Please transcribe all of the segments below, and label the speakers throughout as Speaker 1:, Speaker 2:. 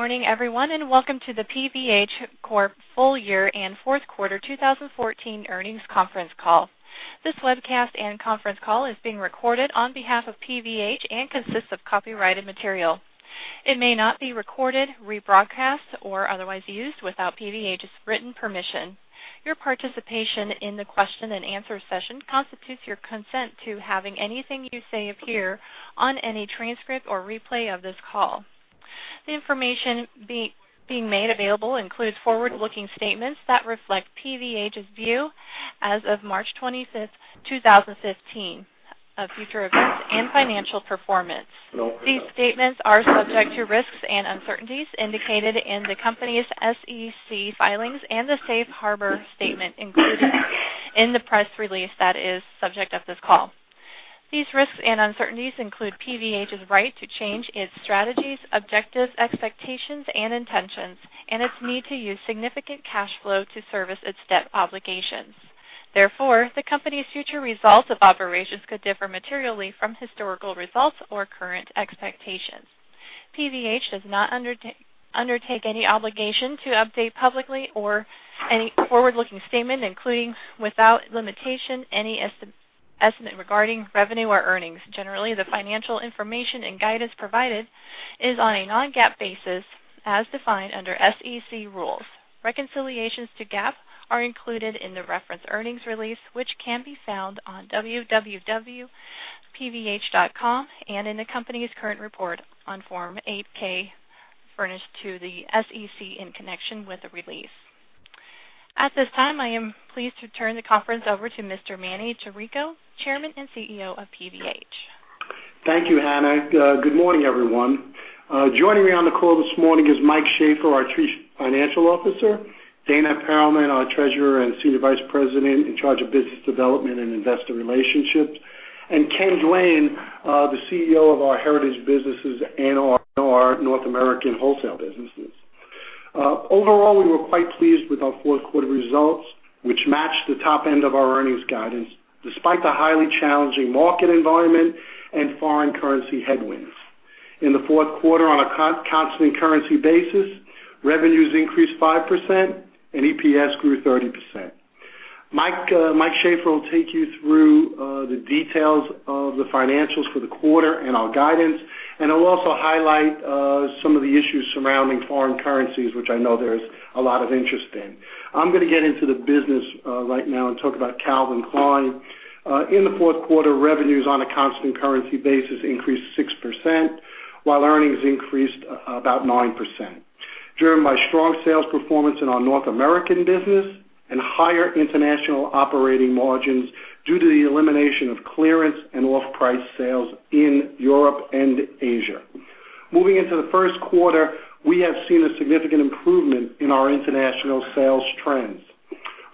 Speaker 1: Good morning, everyone, and welcome to the PVH Corp full year and fourth quarter 2014 earnings conference call. This webcast and conference call is being recorded on behalf of PVH and consists of copyrighted material. It may not be recorded, rebroadcast, or otherwise used without PVH's written permission. Your participation in the question and answer session constitutes your consent to having anything you say appear on any transcript or replay of this call. The information being made available includes forward-looking statements that reflect PVH's view as of March 25th, 2015, of future events and financial performance. These statements are subject to risks and uncertainties indicated in the company's SEC filings and the safe harbor statement included in the press release that is subject of this call. These risks and uncertainties include PVH's right to change its strategies, objectives, expectations, and intentions, and its need to use significant cash flow to service its debt obligations. Therefore, the company's future results of operations could differ materially from historical results or current expectations. PVH does not undertake any obligation to update publicly or any forward-looking statement, including, without limitation, any estimate regarding revenue or earnings. Generally, the financial information and guidance provided is on a non-GAAP basis as defined under SEC rules. Reconciliations to GAAP are included in the reference earnings release, which can be found on pvh.com and in the company's current report on Form 8-K furnished to the SEC in connection with the release. At this time, I am pleased to turn the conference over to Mr. Emanuel Chirico, Chairman and CEO of PVH.
Speaker 2: Thank you, Hannah. Good morning, everyone. Joining me on the call this morning is Mike Shaffer, our Chief Financial Officer; Dana Perlman, our Treasurer and Senior Vice President in charge of Business Development and Investor Relations; and Ken Duane, the CEO of our Heritage Brands and our North American wholesale businesses. Overall, we were quite pleased with our fourth quarter results, which matched the top end of our earnings guidance despite the highly challenging market environment and foreign currency headwinds. In the fourth quarter, on a constant currency basis, revenues increased 5% and EPS grew 30%. Mike Shaffer will take you through the details of the financials for the quarter and our guidance, and he'll also highlight some of the issues surrounding foreign currencies, which I know there's a lot of interest in. I'm going to get into the business right now and talk about Calvin Klein. In the fourth quarter, revenues on a constant currency basis increased 6%, while earnings increased about 9%, driven by strong sales performance in our North American business and higher international operating margins due to the elimination of clearance and off-price sales in Europe and Asia. Moving into the first quarter, we have seen a significant improvement in our international sales trends.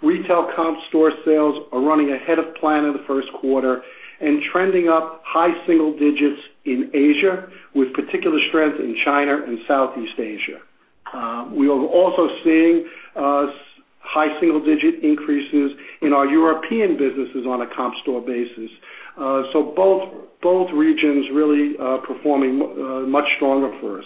Speaker 2: Retail comp store sales are running ahead of plan in the first quarter and trending up high single digits in Asia, with particular strength in China and Southeast Asia. We are also seeing high single-digit increases in our European businesses on a comp store basis. Both regions really are performing much stronger for us.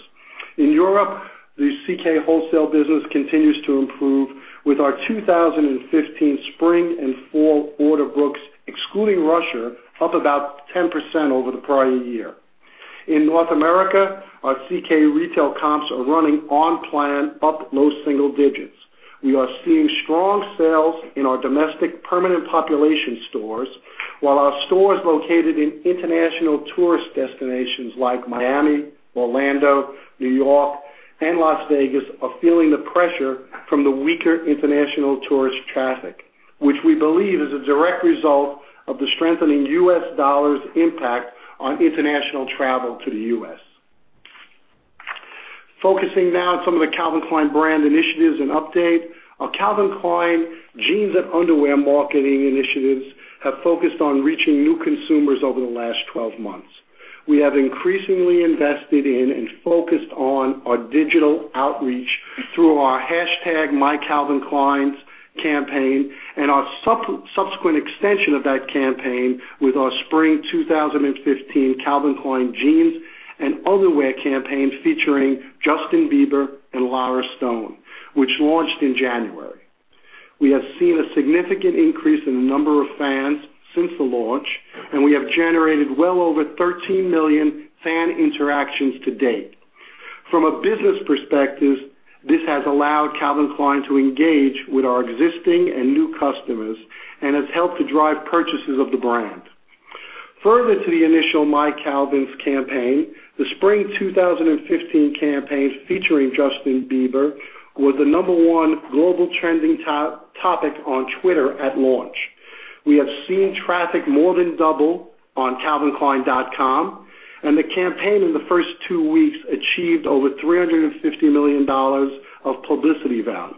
Speaker 2: In Europe, the CK wholesale business continues to improve with our 2015 spring and fall order books, excluding Russia, up about 10% over the prior year. In North America, our CK retail comps are running on plan up low single digits. We are seeing strong sales in our domestic permanent population stores, while our stores located in international tourist destinations like Miami, Orlando, New York, and Las Vegas are feeling the pressure from the weaker international tourist traffic, which we believe is a direct result of the strengthening U.S. dollar's impact on international travel to the U.S. Focusing now on some of the Calvin Klein brand initiatives and update. Our Calvin Klein Jeans and underwear marketing initiatives have focused on reaching new consumers over the last 12 months. We have increasingly invested in and focused on our digital outreach through our #mycalvins campaign and our subsequent extension of that campaign with our spring 2015 Calvin Klein Jeans and underwear campaigns featuring Justin Bieber and Lara Stone, which launched in January. We have seen a significant increase in the number of fans since the launch, and we have generated well over 13 million fan interactions to date. From a business perspective, this has allowed Calvin Klein to engage with our existing and new customers and has helped to drive purchases of the brand. Further to the initial My Calvins campaign, the spring 2015 campaign featuring Justin Bieber was the number one global trending topic on Twitter at launch. We have seen traffic more than double on calvinklein.com, and the campaign in the first two weeks achieved over $350 million of publicity value.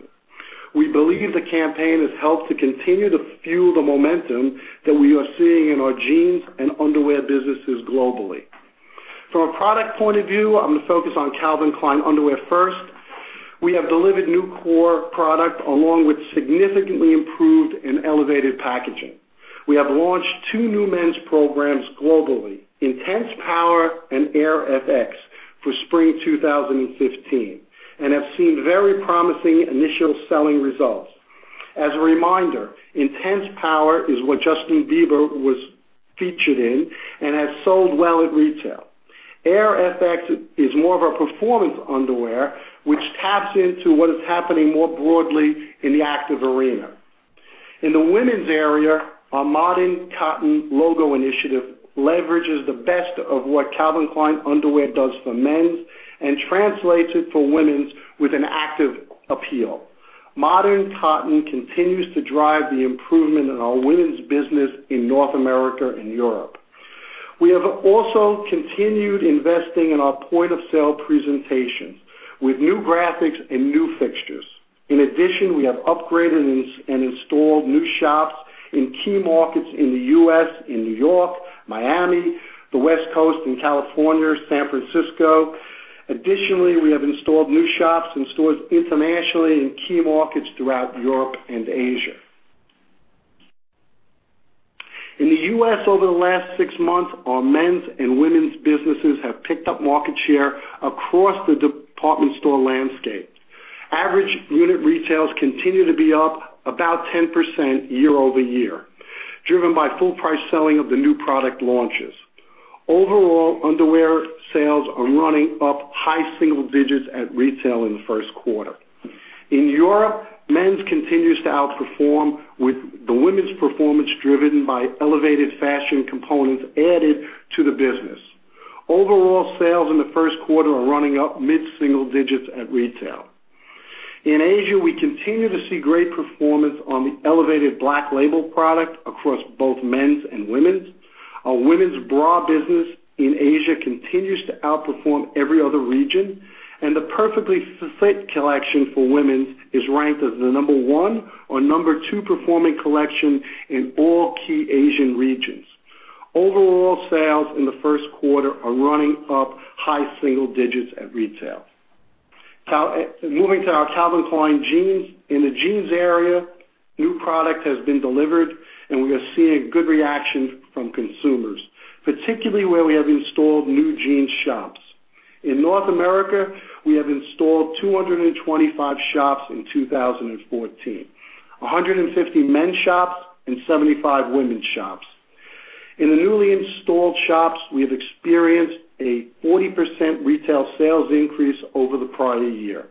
Speaker 2: We believe the campaign has helped to continue to fuel the momentum that we are seeing in our Jeans and underwear businesses globally. From a product point of view, I'm gonna focus on Calvin Klein Underwear first. We have delivered new core product along with significantly improved and elevated packaging. We have launched two new men's programs globally, Intense Power and Air FX, for spring 2015 and have seen very promising initial selling results. As a reminder, Intense Power is what Justin Bieber was featured in and has sold well at retail. Air FX is more of a performance underwear, which taps into what is happening more broadly in the active arena. In the women's area, our Modern Cotton logo initiative leverages the best of what Calvin Klein Underwear does for men's and translates it for women's with an active appeal. Modern Cotton continues to drive the improvement in our women's business in North America and Europe. We have also continued investing in our point-of-sale presentation with new graphics and new fixtures. In addition, we have upgraded and installed new shops in key markets in the U.S., in New York, Miami, the West Coast in California, San Francisco. Additionally, we have installed new shops and stores internationally in key markets throughout Europe and Asia. In the U.S., over the last six months, our men's and women's businesses have picked up market share across the department store landscape. Average Unit Retails continue to be up about 10% year-over-year, driven by full price selling of the new product launches. Overall, underwear sales are running up high single digits at retail in the first quarter. In Europe, men's continues to outperform with the women's performance driven by elevated fashion components added to the business. Overall sales in the first quarter are running up mid-single digits at retail. In Asia, we continue to see great performance on the elevated Black Label product across both men's and women's. Our women's bra business in Asia continues to outperform every other region, and the Perfectly Fit collection for women's is ranked as the number 1 or number 2 performing collection in all key Asian regions. Overall sales in the first quarter are running up high single digits at retail. Moving to our Calvin Klein Jeans. In the jeans area, new product has been delivered and we are seeing good reaction from consumers, particularly where we have installed new jeans shops. In North America, we have installed 225 shops in 2014, 150 men's shops and 75 women's shops. In the newly installed shops, we have experienced a 40% retail sales increase over the prior year.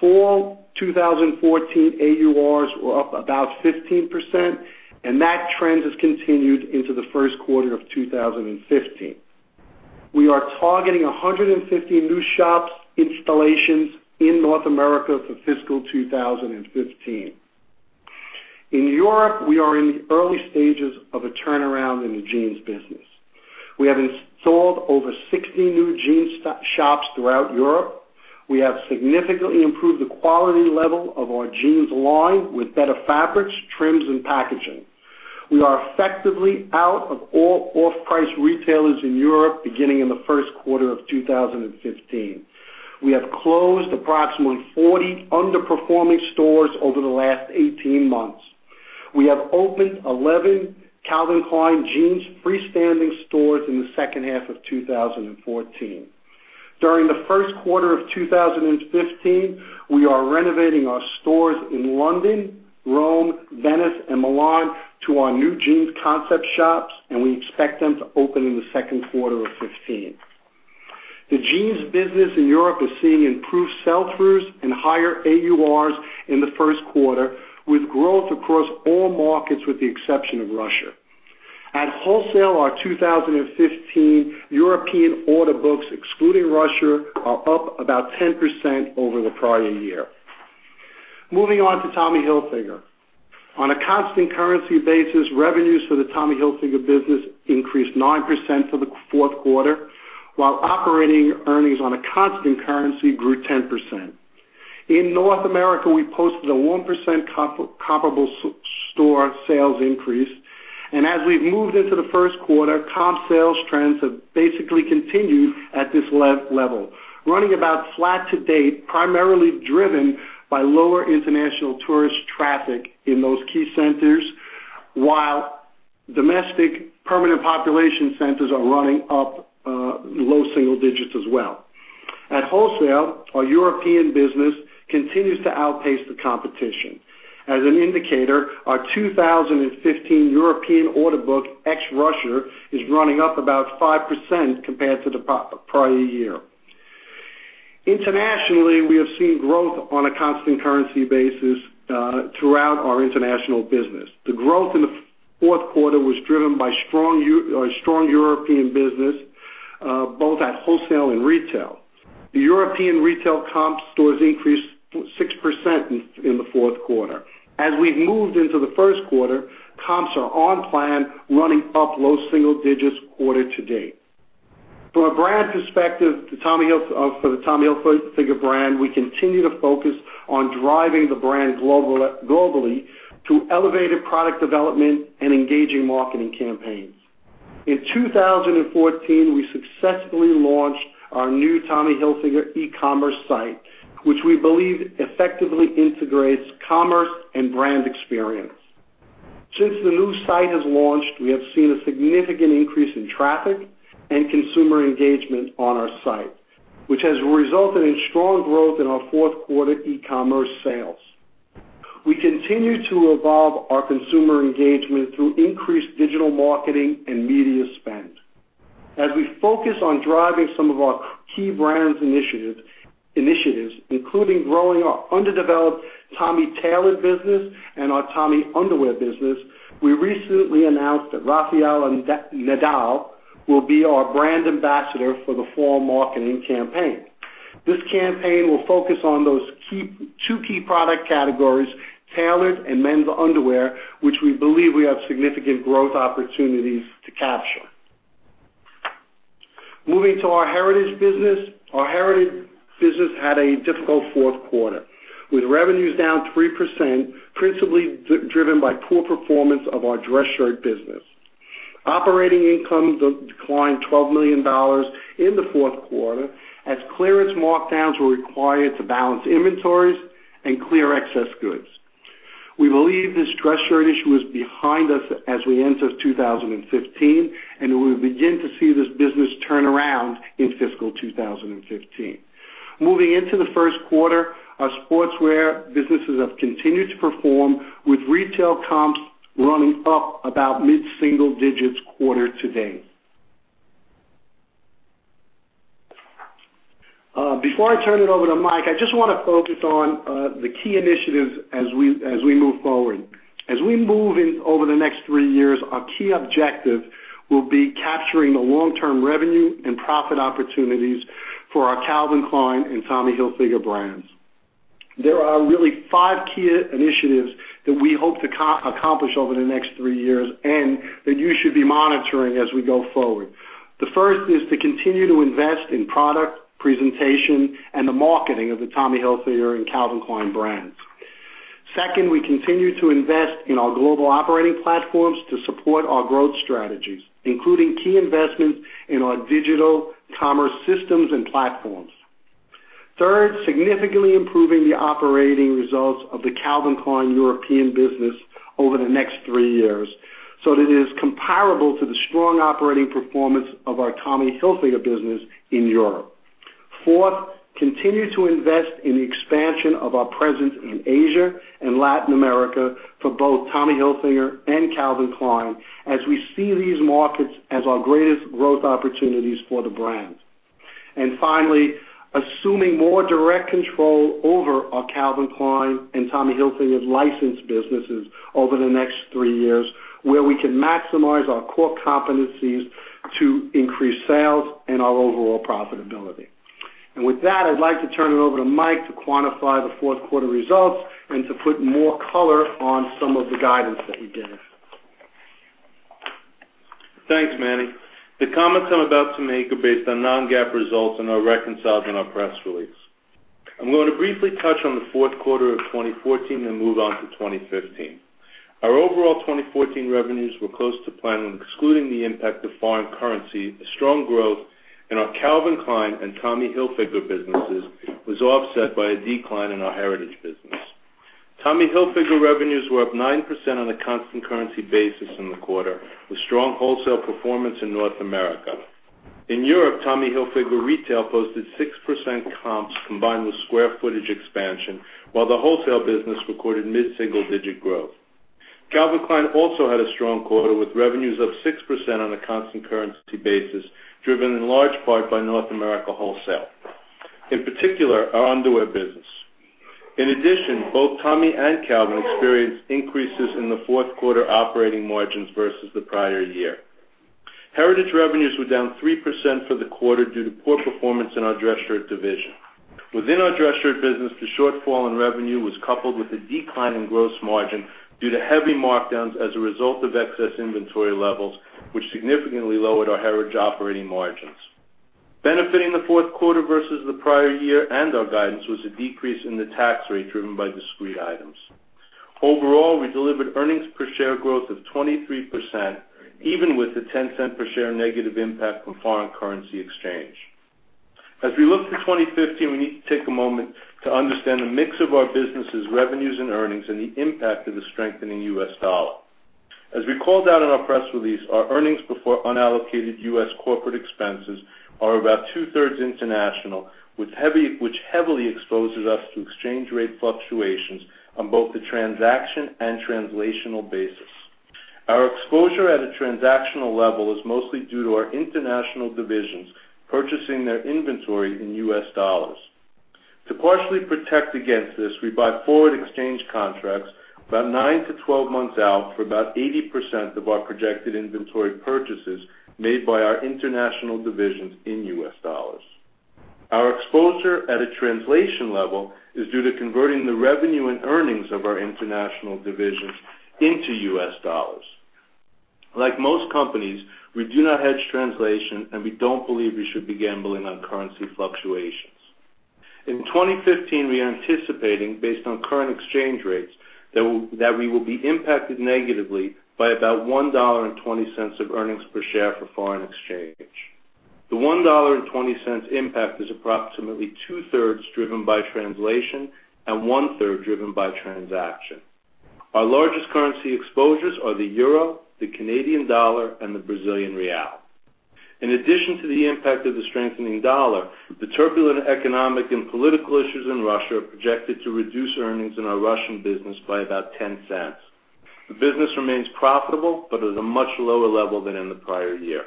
Speaker 2: Fall 2014 AURs were up about 15%, and that trend has continued into the first quarter of 2015. We are targeting 150 new shops installations in North America for fiscal 2015. In Europe, we are in the early stages of a turnaround in the jeans business. We have installed over 60 new jeans shops throughout Europe. We have significantly improved the quality level of our jeans line with better fabrics, trims, and packaging. We are effectively out of all off-price retailers in Europe beginning in the first quarter of 2015. We have closed approximately 40 underperforming stores over the last 18 months. We have opened 11 Calvin Klein Jeans freestanding stores in the second half of 2014. During the first quarter of 2015, we are renovating our stores in London, Rome, Venice, and Milan to our new jeans concept shops, and we expect them to open in the second quarter of 2015. The jeans business in Europe is seeing improved sell-throughs and higher AURs in the first quarter, with growth across all markets with the exception of Russia. At wholesale, our 2015 European order books, excluding Russia, are up about 10% over the prior year. Moving on to Tommy Hilfiger. On a constant currency basis, revenues for the Tommy Hilfiger business increased 9% for the fourth quarter, while operating earnings on a constant currency grew 10%. In North America, we posted a 1% comparable store sales increase. As we've moved into the first quarter, comp sales trends have basically continued at this level. Running about flat to date, primarily driven by lower international tourist traffic in those key centers, while domestic permanent population centers are running up low single digits as well. At wholesale, our European business continues to outpace the competition. As an indicator, our 2015 European order book ex Russia is running up about 5% compared to the prior year. Internationally, we have seen growth on a constant currency basis throughout our international business. The growth in the fourth quarter was driven by strong European business both at wholesale and retail. The European retail comp stores increased 6% in the fourth quarter. As we've moved into the first quarter, comps are on plan, running up low single digits quarter to date. From a brand perspective for the Tommy Hilfiger brand, we continue to focus on driving the brand globally through elevated product development and engaging marketing campaigns. In 2014, we successfully launched our new Tommy Hilfiger e-commerce site, which we believe effectively integrates commerce and brand experience. Since the new site has launched, we have seen a significant increase in traffic and consumer engagement on our site, which has resulted in strong growth in our fourth quarter e-commerce sales. We continue to evolve our consumer engagement through increased digital marketing and media spend. As we focus on driving some of our key brands initiatives, including growing our underdeveloped Tommy tailored business and our Tommy underwear business, we recently announced that Rafael Nadal will be our brand ambassador for the fall marketing campaign. This campaign will focus on those two key product categories, tailored and men's underwear, which we believe we have significant growth opportunities to capture. Moving to our Heritage Brands business. Our Heritage Brands business had a difficult fourth quarter, with revenues down 3%, principally driven by poor performance of our dress shirt business. Operating income declined $12 million in the fourth quarter as clearance markdowns were required to balance inventories and clear excess goods. We believe this dress shirt issue is behind us as we enter 2015, and we will begin to see this business turn around in fiscal 2015. Moving into the first quarter, our sportswear businesses have continued to perform, with retail comps running up about mid-single digits quarter to date. Before I turn it over to Mike, I just want to focus on the key initiatives as we move forward. As we move over the next three years, our key objective will be capturing the long-term revenue and profit opportunities for our Calvin Klein and Tommy Hilfiger brands. There are really five key initiatives that we hope to accomplish over the next three years and that you should be monitoring as we go forward. The first is to continue to invest in product presentation and the marketing of the Tommy Hilfiger and Calvin Klein brands. Second, we continue to invest in our global operating platforms to support our growth strategies, including key investments in our digital commerce systems and platforms. Third, significantly improving the operating results of the Calvin Klein European business over the next three years so that it is comparable to the strong operating performance of our Tommy Hilfiger business in Europe. Fourth, continue to invest in the expansion of our presence in Asia and Latin America for both Tommy Hilfiger and Calvin Klein, as we see these markets as our greatest growth opportunities for the brands. Finally, assuming more direct control over our Calvin Klein and Tommy Hilfiger licensed businesses over the next three years, where we can maximize our core competencies to increase sales and our overall profitability. With that, I'd like to turn it over to Mike to quantify the fourth quarter results and to put more color on some of the guidance that he gave.
Speaker 3: Thanks, Manny. The comments I'm about to make are based on non-GAAP results and are reconciled in our press release. I'm going to briefly touch on the fourth quarter of 2014 and move on to 2015. Our overall 2014 revenues were close to plan when excluding the impact of foreign currency. The strong growth in our Calvin Klein and Tommy Hilfiger businesses was offset by a decline in our heritage business. Tommy Hilfiger revenues were up 9% on a constant currency basis in the quarter, with strong wholesale performance in North America. In Europe, Tommy Hilfiger retail posted 6% comps, combined with square footage expansion, while the wholesale business recorded mid-single-digit growth. Calvin Klein also had a strong quarter, with revenues up 6% on a constant currency basis, driven in large part by North America wholesale, in particular, our underwear business. In addition, both Tommy and Calvin experienced increases in the fourth quarter operating margins versus the prior year. Heritage revenues were down 3% for the quarter due to poor performance in our dress shirt division. Within our dress shirt business, the shortfall in revenue was coupled with a decline in gross margin due to heavy markdowns as a result of excess inventory levels, which significantly lowered our heritage operating margins. Benefiting the fourth quarter versus the prior year and our guidance was a decrease in the tax rate driven by discrete items. Overall, we delivered earnings per share growth of 23%, even with the $0.10 per share negative impact from foreign currency exchange. As we look to 2015, we need to take a moment to understand the mix of our businesses' revenues and earnings and the impact of the strengthening U.S. dollar. As we called out in our press release, our earnings before unallocated U.S. corporate expenses are about two-thirds international, which heavily exposes us to exchange rate fluctuations on both the transaction and translational basis. Our exposure at a transactional level is mostly due to our international divisions purchasing their inventory in U.S. dollars. To partially protect against this, we buy forward exchange contracts about nine to 12 months out for about 80% of our projected inventory purchases made by our international divisions in U.S. dollars. Like most companies, we do not hedge translation, and we don't believe we should be gambling on currency fluctuation. In 2015, we're anticipating, based on current exchange rates, that we will be impacted negatively by about $1.20 of earnings per share for foreign exchange. The $1.20 impact is approximately two-thirds driven by translation and one-third driven by transaction. Our largest currency exposures are the euro, the Canadian dollar, and the Brazilian real. In addition to the impact of the strengthening dollar, the turbulent economic and political issues in Russia are projected to reduce earnings in our Russian business by about $0.10. The business remains profitable, but at a much lower level than in the prior year.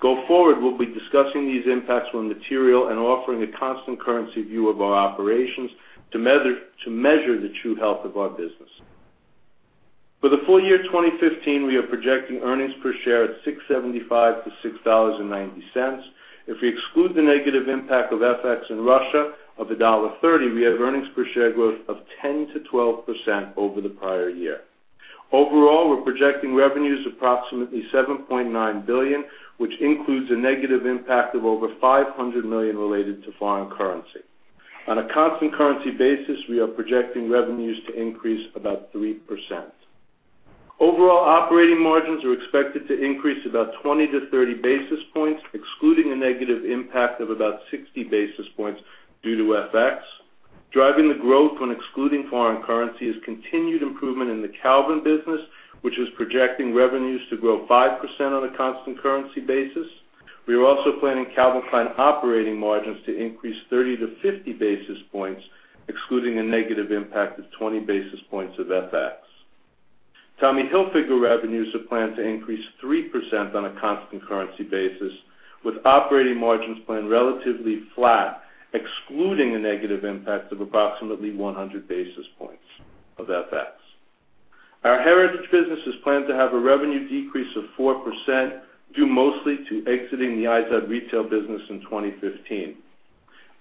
Speaker 3: Going forward, we'll be discussing these impacts when material and offering a constant currency view of our operations to measure the true health of our business. For the full year 2015, we are projecting earnings per share at $6.75 to $6.90. If we exclude the negative impact of FX in Russia of $1.30, we have earnings per share growth of 10%-12% over the prior year. Overall, we are projecting revenues approximately $7.9 billion, which includes a negative impact of over $500 million related to foreign currency. On a constant currency basis, we are projecting revenues to increase about 3%. Overall operating margins are expected to increase about 20-30 basis points, excluding a negative impact of about 60 basis points due to FX. Driving the growth when excluding foreign currency is continued improvement in the Calvin business, which is projecting revenues to grow 5% on a constant currency basis. We are also planning Calvin Klein operating margins to increase 30-50 basis points, excluding a negative impact of 20 basis points of FX. Tommy Hilfiger revenues are planned to increase 3% on a constant currency basis, with operating margins planned relatively flat, excluding a negative impact of approximately 100 basis points of FX. Our Heritage business is planned to have a revenue decrease of 4%, due mostly to exiting the IZOD retail business in 2015.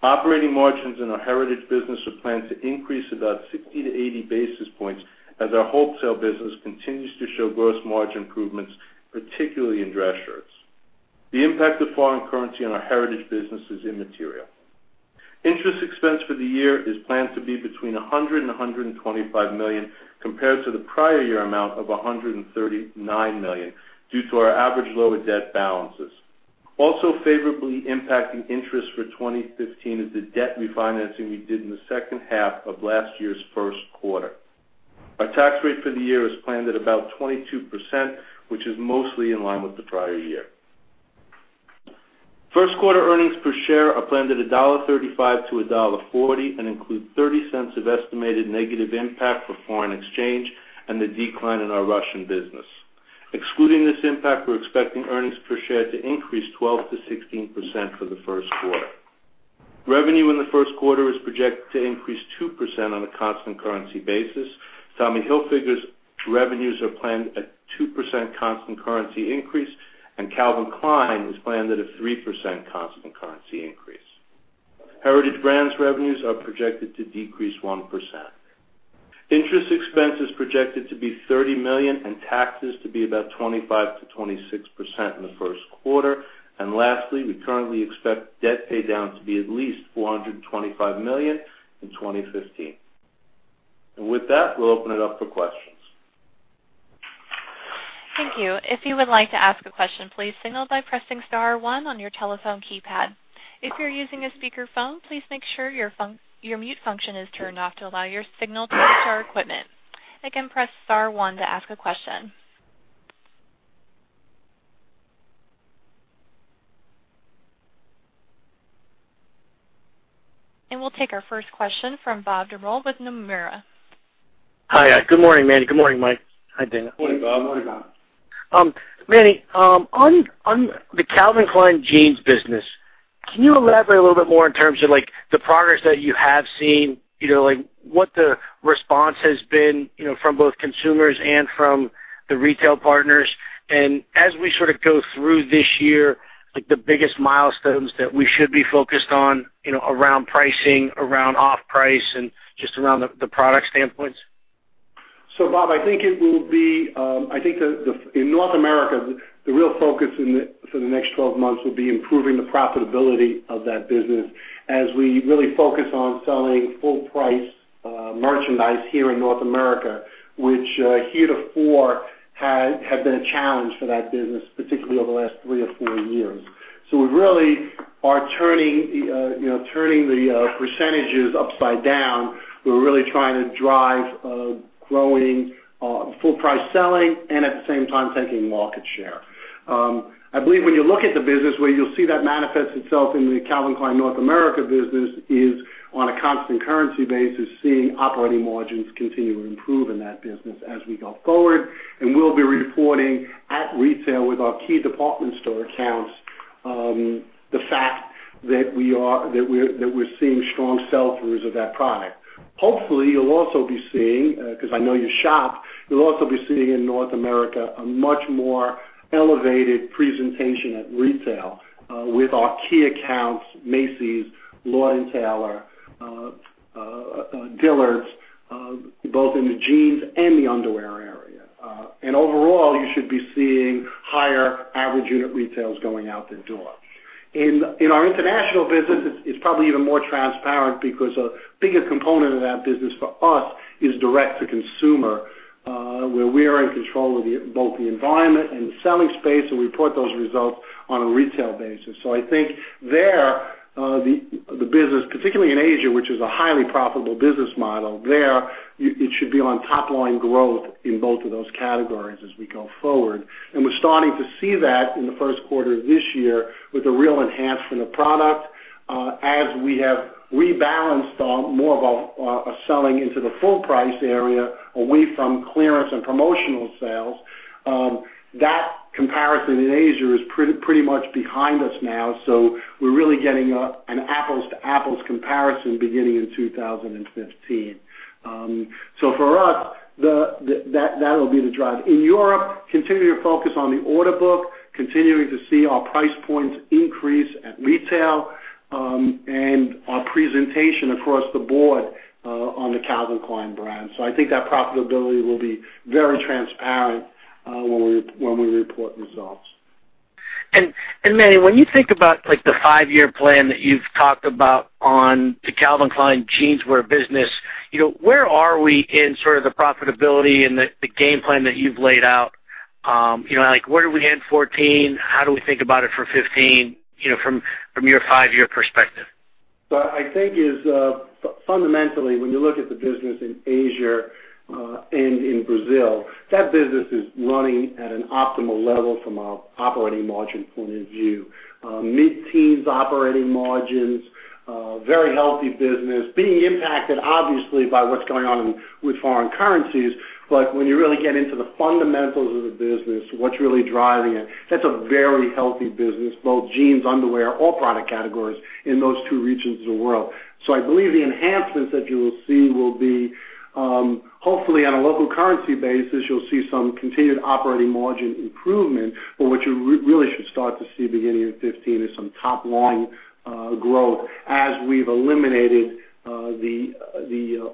Speaker 3: Operating margins in our Heritage business are planned to increase about 60-80 basis points, as our wholesale business continues to show gross margin improvements, particularly in dress shirts. The impact of foreign currency on our Heritage business is immaterial. Interest expense for the year is planned to be between $100 million and $125 million, compared to the prior year amount of $139 million, due to our average lower debt balances. Also favorably impacting interest for 2015 is the debt refinancing we did in the second half of last year's first quarter. Our tax rate for the year is planned at about 22%, which is mostly in line with the prior year. First quarter earnings per share are planned at $1.35-$1.40 and include $0.30 of estimated negative impact for foreign exchange and the decline in our Russian business. Excluding this impact, we're expecting earnings per share to increase 12%-16% for the first quarter. Revenue in the first quarter is projected to increase 2% on a constant currency basis. Tommy Hilfiger's revenues are planned at 2% constant currency increase, and Calvin Klein is planned at a 3% constant currency increase. Heritage Brands revenues are projected to decrease 1%. Interest expense is projected to be $30 million and taxes to be about 25%-26% in the first quarter. Lastly, we currently expect debt paydown to be at least $425 million in 2015. With that, we'll open it up for questions.
Speaker 1: Thank you. If you would like to ask a question, please signal by pressing *1 on your telephone keypad. If you're using a speakerphone, please make sure your mute function is turned off to allow your signal to reach our equipment. Again, press *1 to ask a question. We'll take our first question from Bob Drbul with Nomura.
Speaker 4: Hi. Good morning, Manny. Good morning, Mike. Hi, Dana.
Speaker 2: Morning, Bob.
Speaker 5: Morning, Bob.
Speaker 4: Manny, on the Calvin Klein Jeans business, can you elaborate a little bit more in terms of the progress that you have seen? Like what the response has been from both consumers and from the retail partners, and as we sort of go through this year, the biggest milestones that we should be focused on around pricing, around off price, and just around the product standpoints?
Speaker 2: Bob, I think in North America, the real focus for the next 12 months will be improving the profitability of that business as we really focus on selling full-price merchandise here in North America, which heretofore had been a challenge for that business, particularly over the last 3 or 4 years. We really are turning the percentages upside down. We're really trying to drive growing full-price selling and at the same time taking market share. I believe when you look at the business, where you'll see that manifests itself in the Calvin Klein North America business is on a constant currency basis, seeing operating margins continue to improve in that business as we go forward. We'll be reporting at retail with our key department store accounts, the fact that we're seeing strong sell-throughs of that product.
Speaker 3: Hopefully, you'll also be seeing, because I know you shop, you'll also be seeing in North America a much more elevated presentation at retail with our key accounts, Macy's, Lord & Taylor, Dillard's, both in the jeans and the underwear area.
Speaker 2: Overall, you should be seeing higher Average Unit Retails going out the door. In our international business, it's probably even more transparent because a bigger component of that business for us is direct to consumer, where we are in control of both the environment and the selling space, and we put those results on a retail basis. I think there, the business, particularly in Asia, which is a highly profitable business model, there it should be on top-line growth in both of those categories as we go forward. We're starting to see that in the first quarter of this year with a real enhancement of product. As we have rebalanced more of a selling into the full-price area away from clearance and promotional sales. That comparison in Asia is pretty much behind us now. We're really getting an apples-to-apples comparison beginning in 2015. For us, that'll be the drive. In Europe, continuing to focus on the order book, continuing to see our price points increase at retail, and our presentation across the board on the Calvin Klein brand. I think that profitability will be very transparent when we report results.
Speaker 4: Manny, when you think about the 5-year plan that you've talked about on the Calvin Klein Jeans business, where are we in sort of the profitability and the game plan that you've laid out? Where are we at in 2014? How do we think about it for 2015 from your 5-year perspective?
Speaker 2: I think fundamentally, when you look at the business in Asia and in Brazil, that business is running at an optimal level from an operating margin point of view. Mid-teens operating margins, very healthy business, being impacted obviously by what's going on with foreign currencies. When you really get into the fundamentals of the business, what's really driving it, that's a very healthy business, both Jeans, underwear, all product categories in those two regions of the world. I believe the enhancements that you will see will be, hopefully on a local currency basis, you'll see some continued operating margin improvement. What you really should start to see beginning in 2015 is some top-line growth as we've eliminated the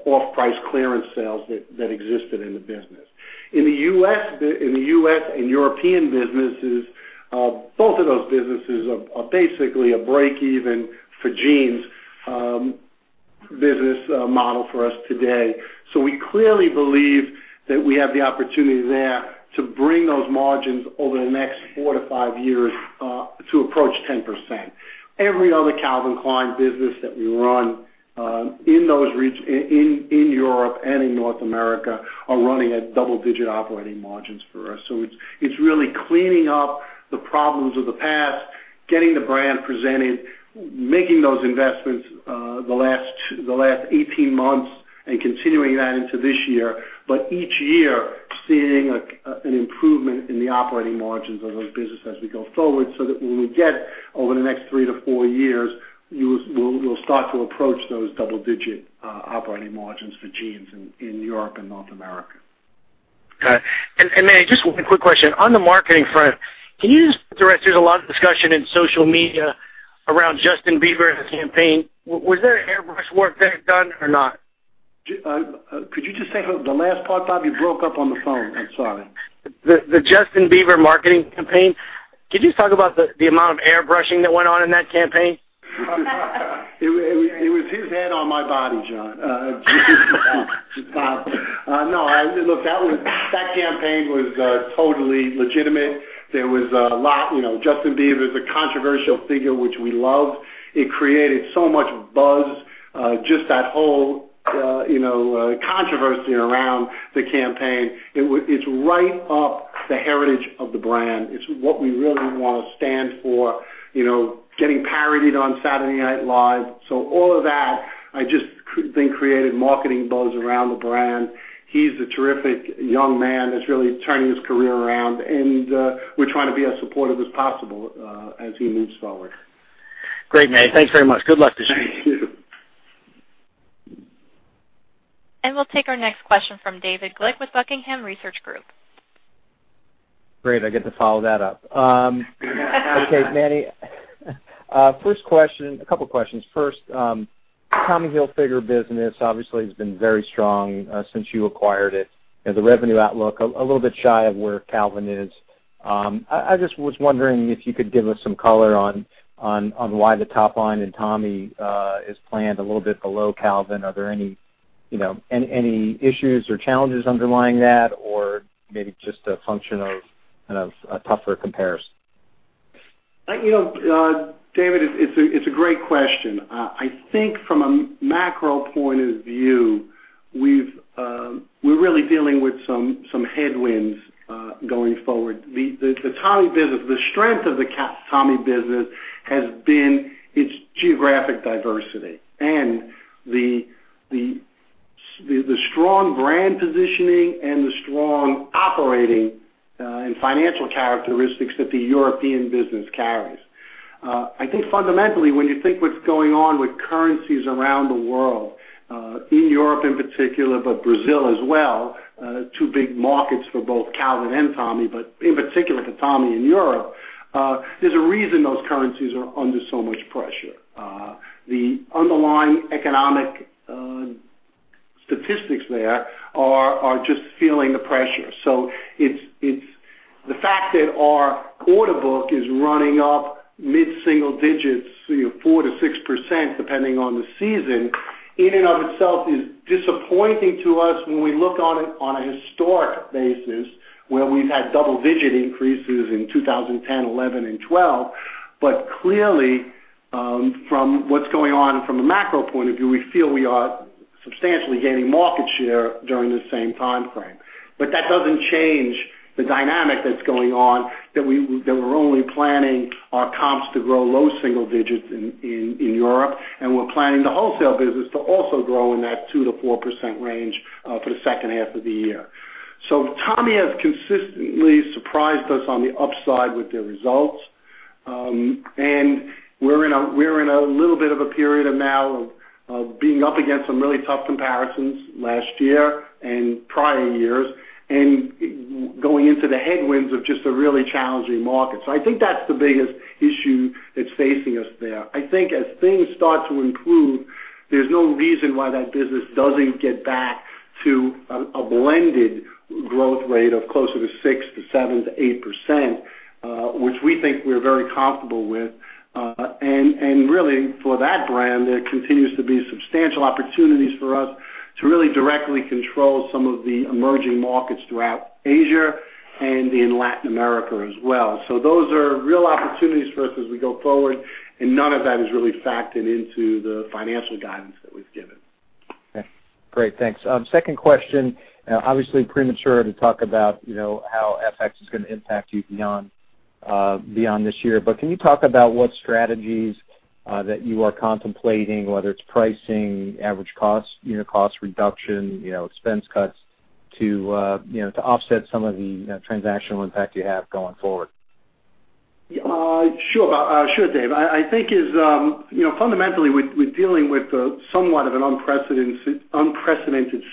Speaker 2: off-price clearance sales that existed in the business. In the U.S. and European businesses, both of those businesses are basically a break-even for Jeans business model for us today. We clearly believe that we have the opportunity there to bring those margins over the next four to five years to approach 10%. Every other Calvin Klein business that we run in Europe and in North America are running at double-digit operating margins for us. It's really cleaning up the problems of the past, getting the brand presented, making those investments the last 18 months and continuing that into this year. Each year, seeing an improvement in the operating margins of those businesses as we go forward so that when we get over the next three to four years, we'll start to approach those double-digit operating margins for Jeans in Europe and North America.
Speaker 4: Got it. Manny, just one quick question. On the marketing front, can you just address, there's a lot of discussion in social media around Justin Bieber and the campaign. Was there any airbrush work that done or not?
Speaker 2: Could you just say the last part, Bob? You broke up on the phone. I'm sorry.
Speaker 4: The Justin Bieber marketing campaign. Could you just talk about the amount of airbrushing that went on in that campaign?
Speaker 2: It was his head on my body, Bob. Look, that campaign was totally legitimate. There was a lot. Justin Bieber is a controversial figure, which we love. It created so much buzz, just that whole controversy around the campaign. It's right up the heritage of the brand. It's what we really want to stand for, getting parodied on "Saturday Night Live." All of that, I just think created marketing buzz around the brand. He's a terrific young man that's really turning his career around, and we're trying to be as supportive as possible as he moves forward.
Speaker 4: Great, Manny. Thanks very much. Good luck to you.
Speaker 2: Thank you.
Speaker 1: We'll take our next question from David Glick with Buckingham Research Group.
Speaker 6: Great, I get to follow that up. Okay, Manny. A couple of questions. First, Tommy Hilfiger business obviously has been very strong since you acquired it, and the revenue outlook a little bit shy of where Calvin is. I just was wondering if you could give us some color on why the top line in Tommy is planned a little bit below Calvin. Are there any issues or challenges underlying that, or maybe just a function of a tougher comparison?
Speaker 2: David, it's a great question. I think from a macro point of view, we're really dealing with some headwinds going forward. The strength of the Tommy business has been its geographic diversity and the strong brand positioning and the strong operating and financial characteristics that the European business carries. I think fundamentally, when you think what's going on with currencies around the world, in Europe in particular, but Brazil as well, two big markets for both Calvin and Tommy, but in particular to Tommy in Europe. There's a reason those currencies are under so much pressure. The underlying economic statistics there are just feeling the pressure. The fact that our order book is running up mid-single digits, 4%-6%, depending on the season, in and of itself is disappointing to us when we look on it on a historic basis, where we've had double-digit increases in 2010, 2011, and 2012. Clearly, from what's going on from a macro point of view, we feel we are substantially gaining market share during the same time frame. That doesn't change the dynamic that's going on, that we're only planning our comps to grow low single digits in Europe, and we're planning the wholesale business to also grow in that 2%-4% range for the second half of the year. Tommy has consistently surprised us on the upside with their results. We're in a little bit of a period of now of being up against some really tough comparisons last year and prior years, and going into the headwinds of just a really challenging market. I think that's the biggest issue that's facing us there. I think as things start to improve, there's no reason why that business doesn't get back to a blended growth rate of closer to 6%-7%-8%, which we think we're very comfortable with. Really, for that brand, there continues to be substantial opportunities for us to really directly control some of the emerging markets throughout Asia and in Latin America as well. Those are real opportunities for us as we go forward, and none of that is really factored into the financial guidance that we've given.
Speaker 6: Okay, great. Thanks. Second question, obviously premature to talk about how FX is going to impact you beyond this year. Can you talk about what strategies that you are contemplating, whether it's pricing, average cost, unit cost reduction, expense cuts to offset some of the transactional impact you have going forward?
Speaker 2: Sure, Dave. I think fundamentally, we're dealing with somewhat of an unprecedented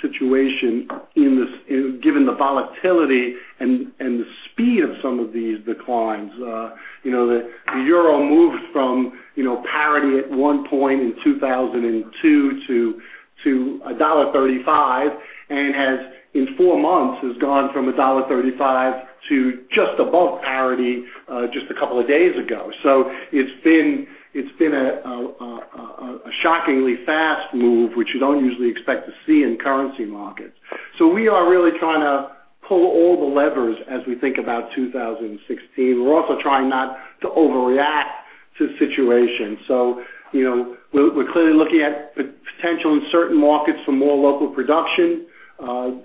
Speaker 2: situation given the volatility and the speed of some of these declines. The EUR moved from parity at one point in 2002 to $1.35, and in four months, has gone from $1.35 to just above parity just a couple of days ago. It's been a shockingly fast move, which you don't usually expect to see in currency markets. We are really trying to pull all the levers as we think about 2016. We're also trying not to overreact to the situation. We're clearly looking at potential in certain markets for more local production.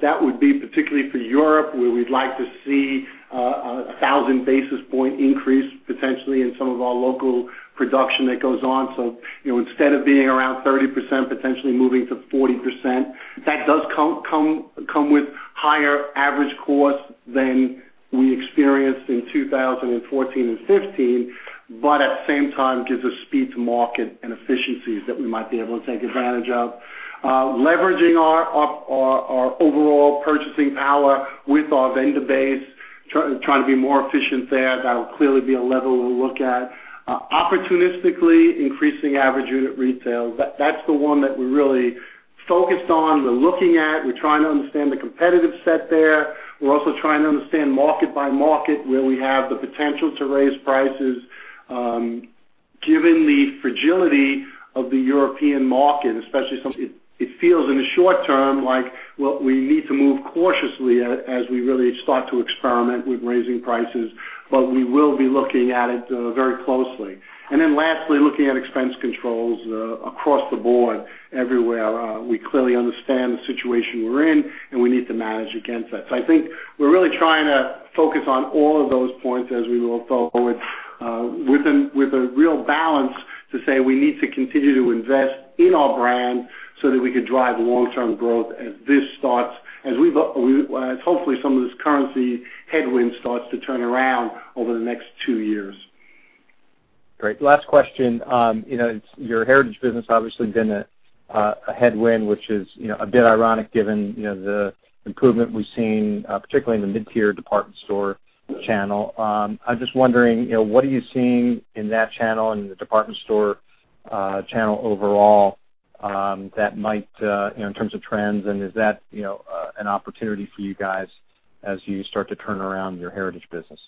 Speaker 2: That would be particularly for Europe, where we'd like to see 1,000 basis point increase, potentially, in some of our local production that goes on. Instead of being around 30%, potentially moving to 40%. That does come with higher average cost than we experienced in 2014 and 2015, but at the same time, gives us speed to market and efficiencies that we might be able to take advantage of. Leveraging our overall purchasing power with our vendor base, trying to be more efficient there. That'll clearly be a level we'll look at. Opportunistically increasing average unit retail. That's the one that we're really focused on. We're looking at, we're trying to understand the competitive set there. We're also trying to understand market by market where we have the potential to raise prices. Given the fragility of the European market, it feels in the short term like, well, we need to move cautiously as we really start to experiment with raising prices. We will be looking at it very closely. Lastly, looking at expense controls across the board everywhere. We clearly understand the situation we're in, and we need to manage against that. I think we're really trying to focus on all of those points as we go forward with a real balance to say we need to continue to invest in our brand so that we could drive long-term growth as hopefully some of this currency headwind starts to turn around over the next two years.
Speaker 6: Great. Last question. Your Heritage Brands business, obviously, been a headwind, which is a bit ironic given the improvement we've seen, particularly in the mid-tier department store channel. I'm just wondering, what are you seeing in that channel and in the department store channel overall in terms of trends, and is that an opportunity for you guys as you start to turn around your Heritage Brands business?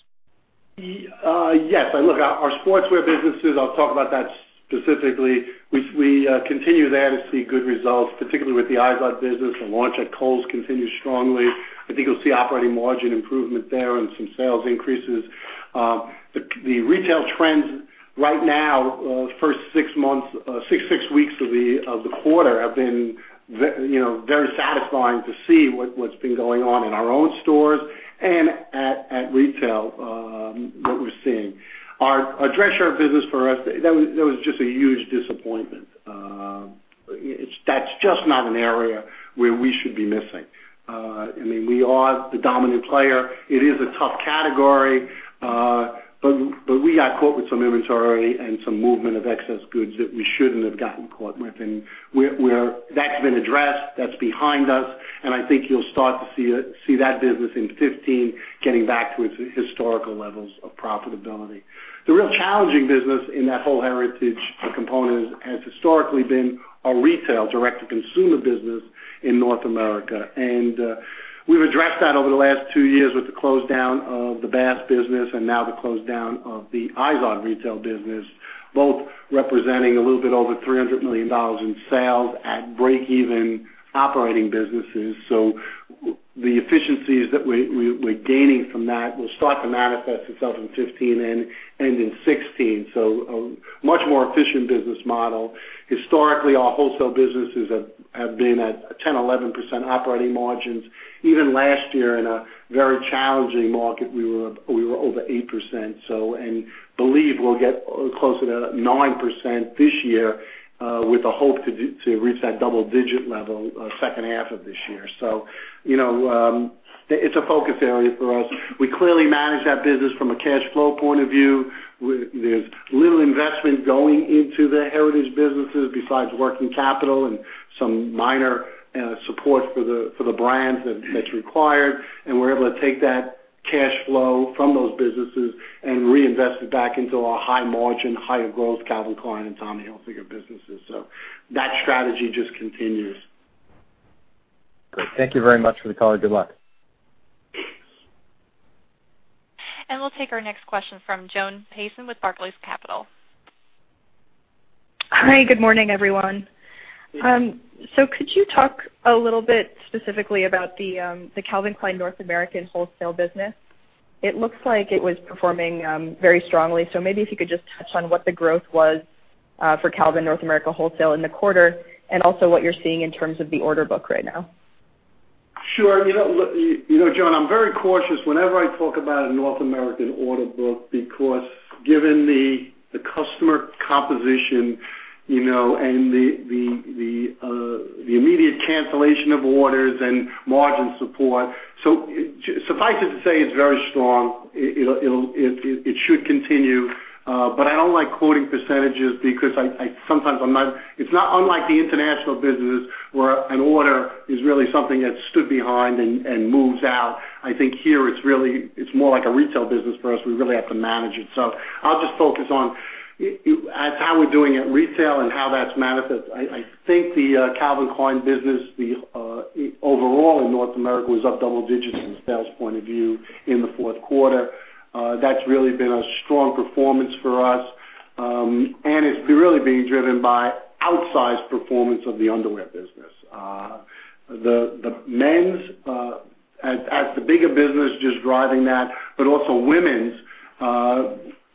Speaker 2: Yes. Look, our sportswear businesses, I'll talk about that specifically. We continue there to see good results, particularly with the IZOD business. The launch at Kohl's continued strongly. I think you'll see operating margin improvement there and some sales increases. The retail trends right now, the first six weeks of the quarter have been very satisfying to see what's been going on in our own stores and at retail, what we're seeing. Our dress shirt business for us, that was just a huge disappointment. That's just not an area where we should be missing. We are the dominant player. It is a tough category, but we got caught with some inventory and some movement of excess goods that we shouldn't have gotten caught with. That's been addressed, that's behind us, and I think you'll start to see that business in 2015 getting back to its historical levels of profitability. The real challenging business in that whole heritage component has historically been our retail direct-to-consumer business in North America. We've addressed that over the last two years with the close down of the Bass business and now the close down of the IZOD retail business, both representing a little bit over $300 million in sales at break-even operating businesses. The efficiencies that we're gaining from that will start to manifest itself in 2015 and in 2016. A much more efficient business model. Historically, our wholesale businesses have been at 10%, 11% operating margins. Even last year in a very challenging market, we were over 8%. Believe we'll get closer to that 9% this year, with a hope to reach that double-digit level second half of this year. It's a focus area for us. We clearly manage that business from a cash flow point of view. There's little investment going into the heritage businesses besides working capital and some minor support for the brands that's required. We're able to take that cash flow from those businesses and reinvest it back into our high margin, higher growth Calvin Klein and Tommy Hilfiger businesses. That strategy just continues.
Speaker 6: Great. Thank you very much for the color. Good luck.
Speaker 1: We'll take our next question from Joan Payson with Barclays Capital.
Speaker 7: Hi, good morning, everyone. Could you talk a little bit specifically about the Calvin Klein North American wholesale business? It looks like it was performing very strongly. Maybe if you could just touch on what the growth was for Calvin North America wholesale in the quarter and also what you're seeing in terms of the order book right now.
Speaker 2: Sure. Joan, I'm very cautious whenever I talk about a North American order book because given the customer composition, and the immediate cancellation of orders and margin support. Suffice it to say, it's very strong. It should continue. I don't like quoting percentages because it's not unlike the international businesses where an order is really something that's stood behind and moves out. I think here it's more like a retail business for us. We really have to manage it. I'll just focus on how we're doing at retail and how that's manifest. I think the Calvin Klein business overall in North America was up double digits from a sales point of view in the fourth quarter. That's really been a strong performance for us. It's really being driven by outsized performance of the underwear business. The men's as the bigger business, just driving that, but also women's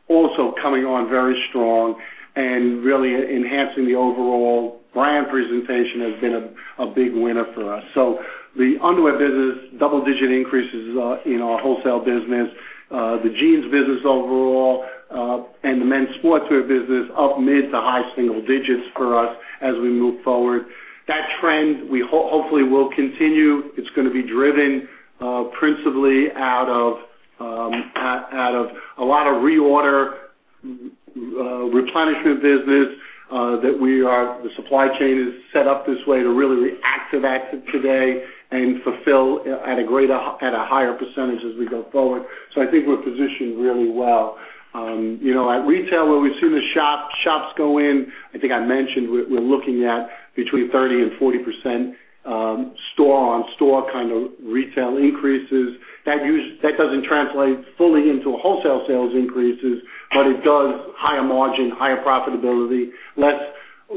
Speaker 2: also coming on very strong and really enhancing the overall brand presentation has been a big winner for us. The underwear business, double digit increases in our wholesale business. The jeans business overall, and the men's sportswear business up mid to high single digits for us as we move forward. That trend, hopefully will continue. It's going to be driven principally out of a lot of reorder replenishment business. The supply chain is set up this way to really be active today and fulfill at a higher percentage as we go forward. I think we're positioned really well. At retail, where we've seen the shops go in, I think I mentioned we're looking at between 30%-40% store-on-store retail increases. That doesn't translate fully into wholesale sales increases, but it does higher margin, higher profitability, less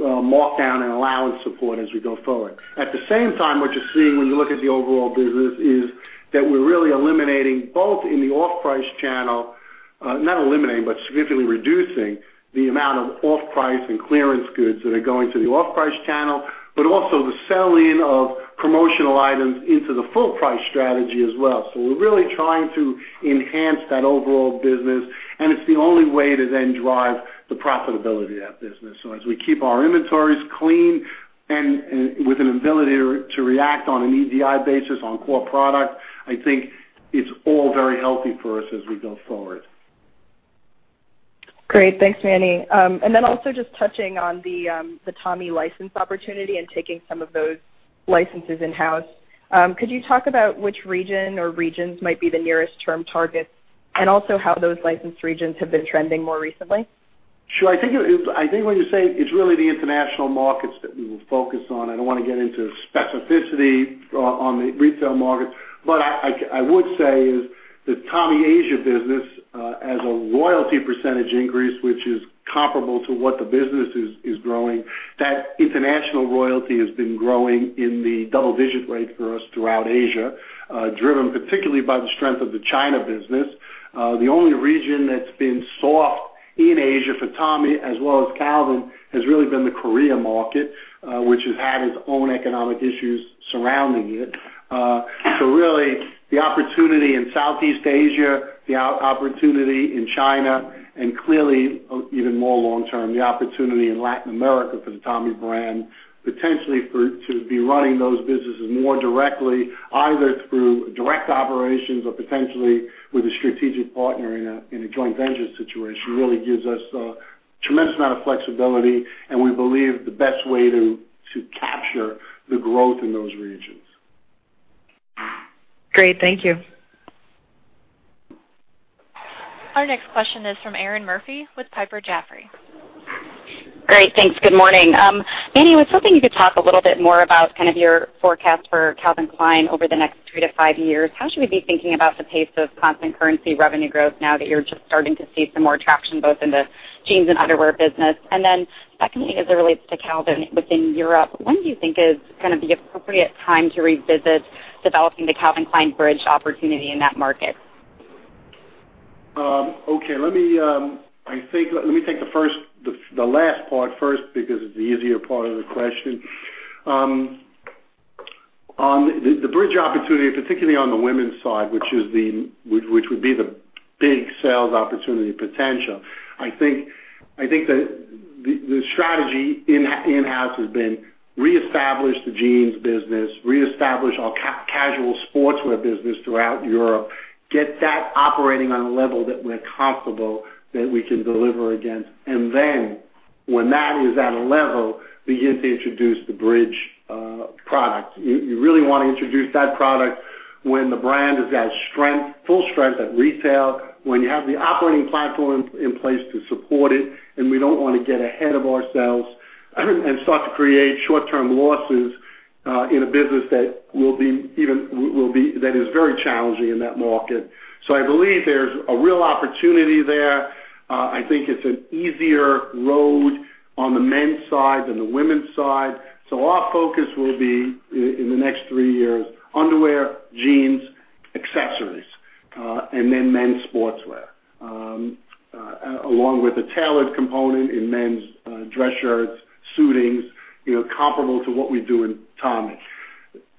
Speaker 2: markdown and allowance support as we go forward. At the same time, what you're seeing when you look at the overall business is that we're really eliminating, both in the off-price channel-- not eliminating, but significantly reducing the amount of off-price and clearance goods that are going to the off-price channel, but also the sell-in of promotional items into the full-price strategy as well. We're really trying to enhance that overall business, it's the only way to then drive the profitability of that business. As we keep our inventories clean and with an ability to react on an EDI basis on core product, I think it's all very healthy for us as we go forward.
Speaker 7: Great. Thanks, Manny. Also just touching on the Tommy license opportunity and taking some of those licenses in-house. Could you talk about which region or regions might be the nearest term targets, and also how those licensed regions have been trending more recently?
Speaker 2: Sure. I think when you say it's really the international markets that we will focus on. I don't want to get into specificity on the retail markets. I would say is the Tommy Asia business as a royalty percentage increase, which is comparable to what the business is growing. That international royalty has been growing in the double-digit rate for us throughout Asia, driven particularly by the strength of the China business. The only region that's been soft in Asia for Tommy as well as Calvin, has really been the Korea market, which has had its own economic issues surrounding it. Really the opportunity in Southeast Asia, the opportunity in China, and clearly even more long-term, the opportunity in Latin America for the Tommy brand, potentially to be running those businesses more directly, either through direct operations or potentially with a strategic partner in a joint venture situation, really gives us a tremendous amount of flexibility, and we believe the best way to capture the growth in those regions.
Speaker 7: Great, thank you.
Speaker 1: Our next question is from Erinn Murphy with Piper Jaffray.
Speaker 8: Great. Thanks. Good morning. Manny, I was hoping you could talk a little bit more about your forecast for Calvin Klein over the next three to five years. How should we be thinking about the pace of constant currency revenue growth now that you're just starting to see some more traction, both in the jeans and underwear business? Secondly, as it relates to Calvin within Europe, when do you think is going to be appropriate time to revisit developing the Calvin Klein bridge opportunity in that market?
Speaker 2: Okay. Let me take the last part first because it's the easier part of the question. On the bridge opportunity, particularly on the women's side, which would be the big sales opportunity potential. I think that the strategy in-house has been reestablish the jeans business, reestablish our casual sportswear business throughout Europe, get that operating on a level that we're comfortable that we can deliver against. When that is at a level, begin to introduce the bridge product. You really want to introduce that product when the brand is at full strength at retail, when you have the operating platform in place to support it, and we don't want to get ahead of ourselves and start to create short-term losses, in a business that is very challenging in that market. I believe there's a real opportunity there. I think it's an easier road on the men's side than the women's side. Our focus will be, in the next three years, underwear, jeans, accessories, and then men's sportswear, along with the tailored component in men's dress shirts, suitings, comparable to what we do in Tommy.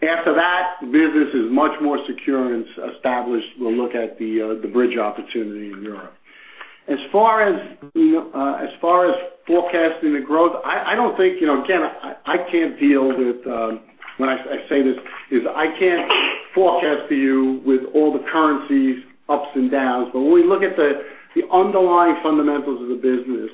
Speaker 2: After that, the business is much more secure and established. We'll look at the bridge opportunity in Europe. As far as forecasting the growth, I can't—when I say this, is I can't forecast for you with all the currencies ups and downs. When we look at the underlying fundamentals of the business,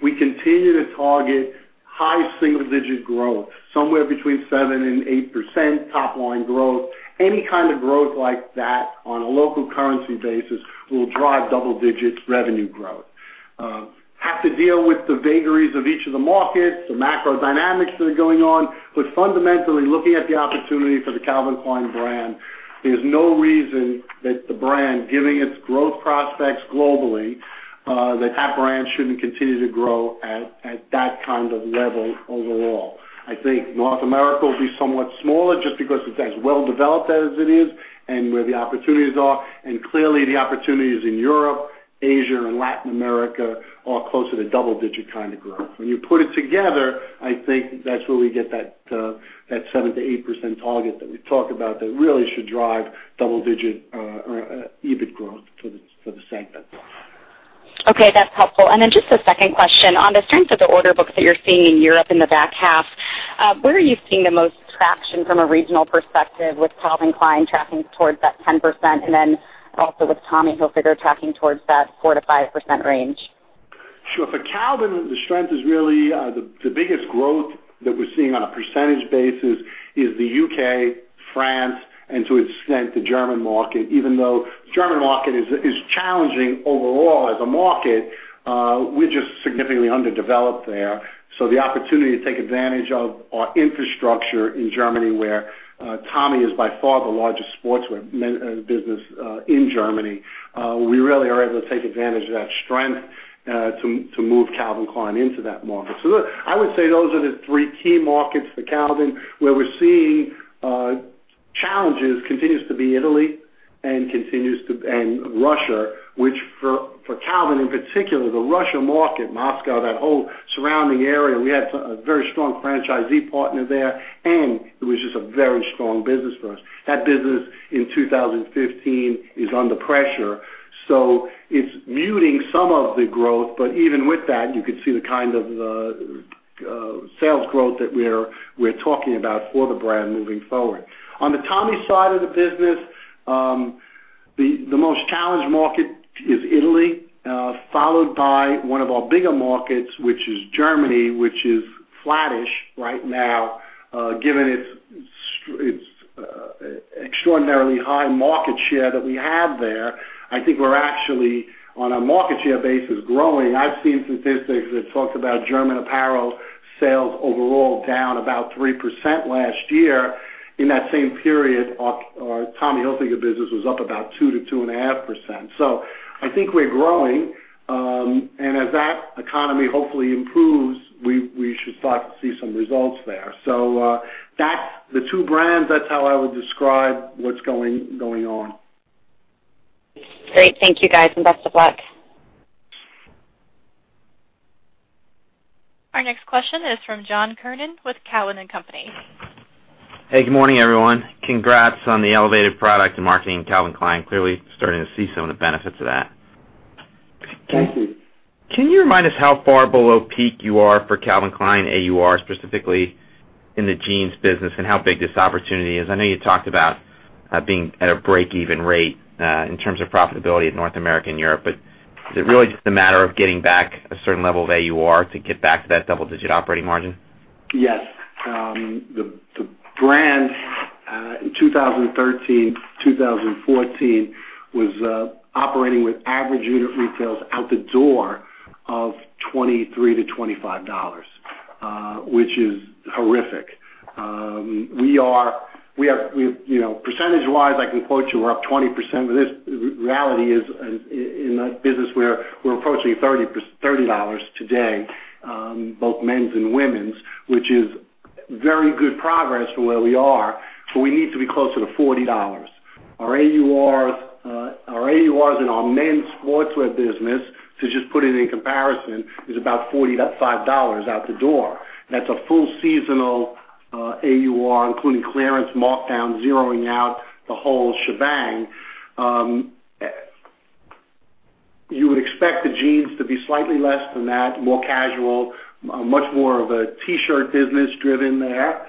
Speaker 2: we continue to target high single-digit growth, somewhere between 7% and 8% top-line growth. Any kind of growth like that on a local currency basis will drive double-digit revenue growth. Have to deal with the vagaries of each of the markets, the macro dynamics that are going on. Fundamentally, looking at the opportunity for the Calvin Klein brand, there's no reason that the brand, given its growth prospects globally, that that brand shouldn't continue to grow at that kind of level overall. I think North America will be somewhat smaller just because it's as well developed as it is and where the opportunities are. Clearly, the opportunities in Europe, Asia, and Latin America are closer to double-digit kind of growth. When you put it together, I think that's where we get that 7%-8% target that we talk about that really should drive double-digit EBIT growth for the segment.
Speaker 8: Okay. That's helpful. Just a second question. On the strength of the order books that you're seeing in Europe in the back half, where are you seeing the most traction from a regional perspective with Calvin Klein tracking towards that 10%? Also with Tommy Hilfiger tracking towards that 4%-5% range?
Speaker 2: Sure. For Calvin, the biggest growth that we're seeing on a percentage basis is the U.K., France, and to extent, the German market. Even though the German market is challenging overall as a market, we're just significantly underdeveloped there. The opportunity to take advantage of our infrastructure in Germany, where Tommy is by far the largest sportswear business in Germany, we really are able to take advantage of that strength to move Calvin Klein into that market. I would say those are the three key markets for Calvin. Where we're seeing challenges continues to be Italy and Russia. For Calvin, in particular, the Russia market, Moscow, that whole surrounding area, we had a very strong franchisee partner there, and it was just a very strong business for us. That business in 2015 is under pressure, it's muting some of the growth, even with that, you could see the kind of sales growth that we're talking about for the brand moving forward. On the Tommy side of the business, the most challenged market is Italy, followed by one of our bigger markets, which is Germany, which is flattish right now, given its extraordinarily high market share that we have there. I think we're actually, on a market share basis, growing. I've seen statistics that talk about German apparel sales overall down about 3% last year. In that same period, our Tommy Hilfiger business was up about 2%-2.5%. I think we're growing. As that economy hopefully improves, we should start to see some results there. The two brands, that's how I would describe what's going on.
Speaker 8: Great. Thank you guys, best of luck.
Speaker 1: Our next question is from John Kernan with Cowen and Company.
Speaker 9: Hey, good morning, everyone. Congrats on the elevated product and marketing Calvin Klein. Clearly starting to see some of the benefits of that.
Speaker 2: Thank you.
Speaker 9: Can you remind us how far below peak you are for Calvin Klein AUR, specifically in the jeans business, and how big this opportunity is? I know you talked about being at a break-even rate in terms of profitability of North America and Europe. Is it really just a matter of getting back a certain level of AUR to get back to that double-digit operating margin?
Speaker 2: Yes. The brand, in 2013, 2014, was operating with Average Unit Retails out the door of $23-$25, which is horrific. Percentage-wise, I can quote you, we're up 20%, but the reality is, in that business, we're approaching $30 today, both men's and women's, which is very good progress from where we are. We need to be closer to $40. Our AURs in our men's sportswear business, to just put it in comparison, is about $45 out the door. That's a full seasonal AUR, including clearance, markdown, zeroing out the whole shebang. You would expect the jeans to be slightly less than that, more casual, much more of a T-shirt business driven there.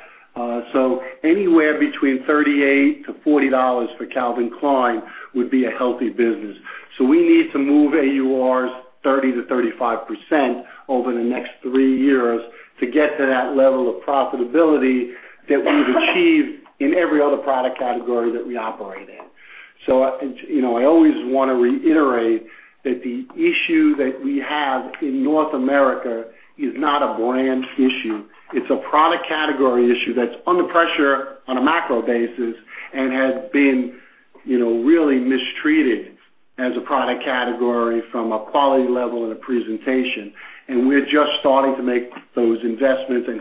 Speaker 2: Anywhere between $38-$40 for Calvin Klein would be a healthy business. We need to move AURs 30%-35% over the next three years to get to that level of profitability that we've achieved in every other product category that we operate in. I always want to reiterate that the issue that we have in North America is not a brand issue. It's a product category issue that's under pressure on a macro basis and has been really mistreated as a product category from a quality level and a presentation. We're just starting to make those investments and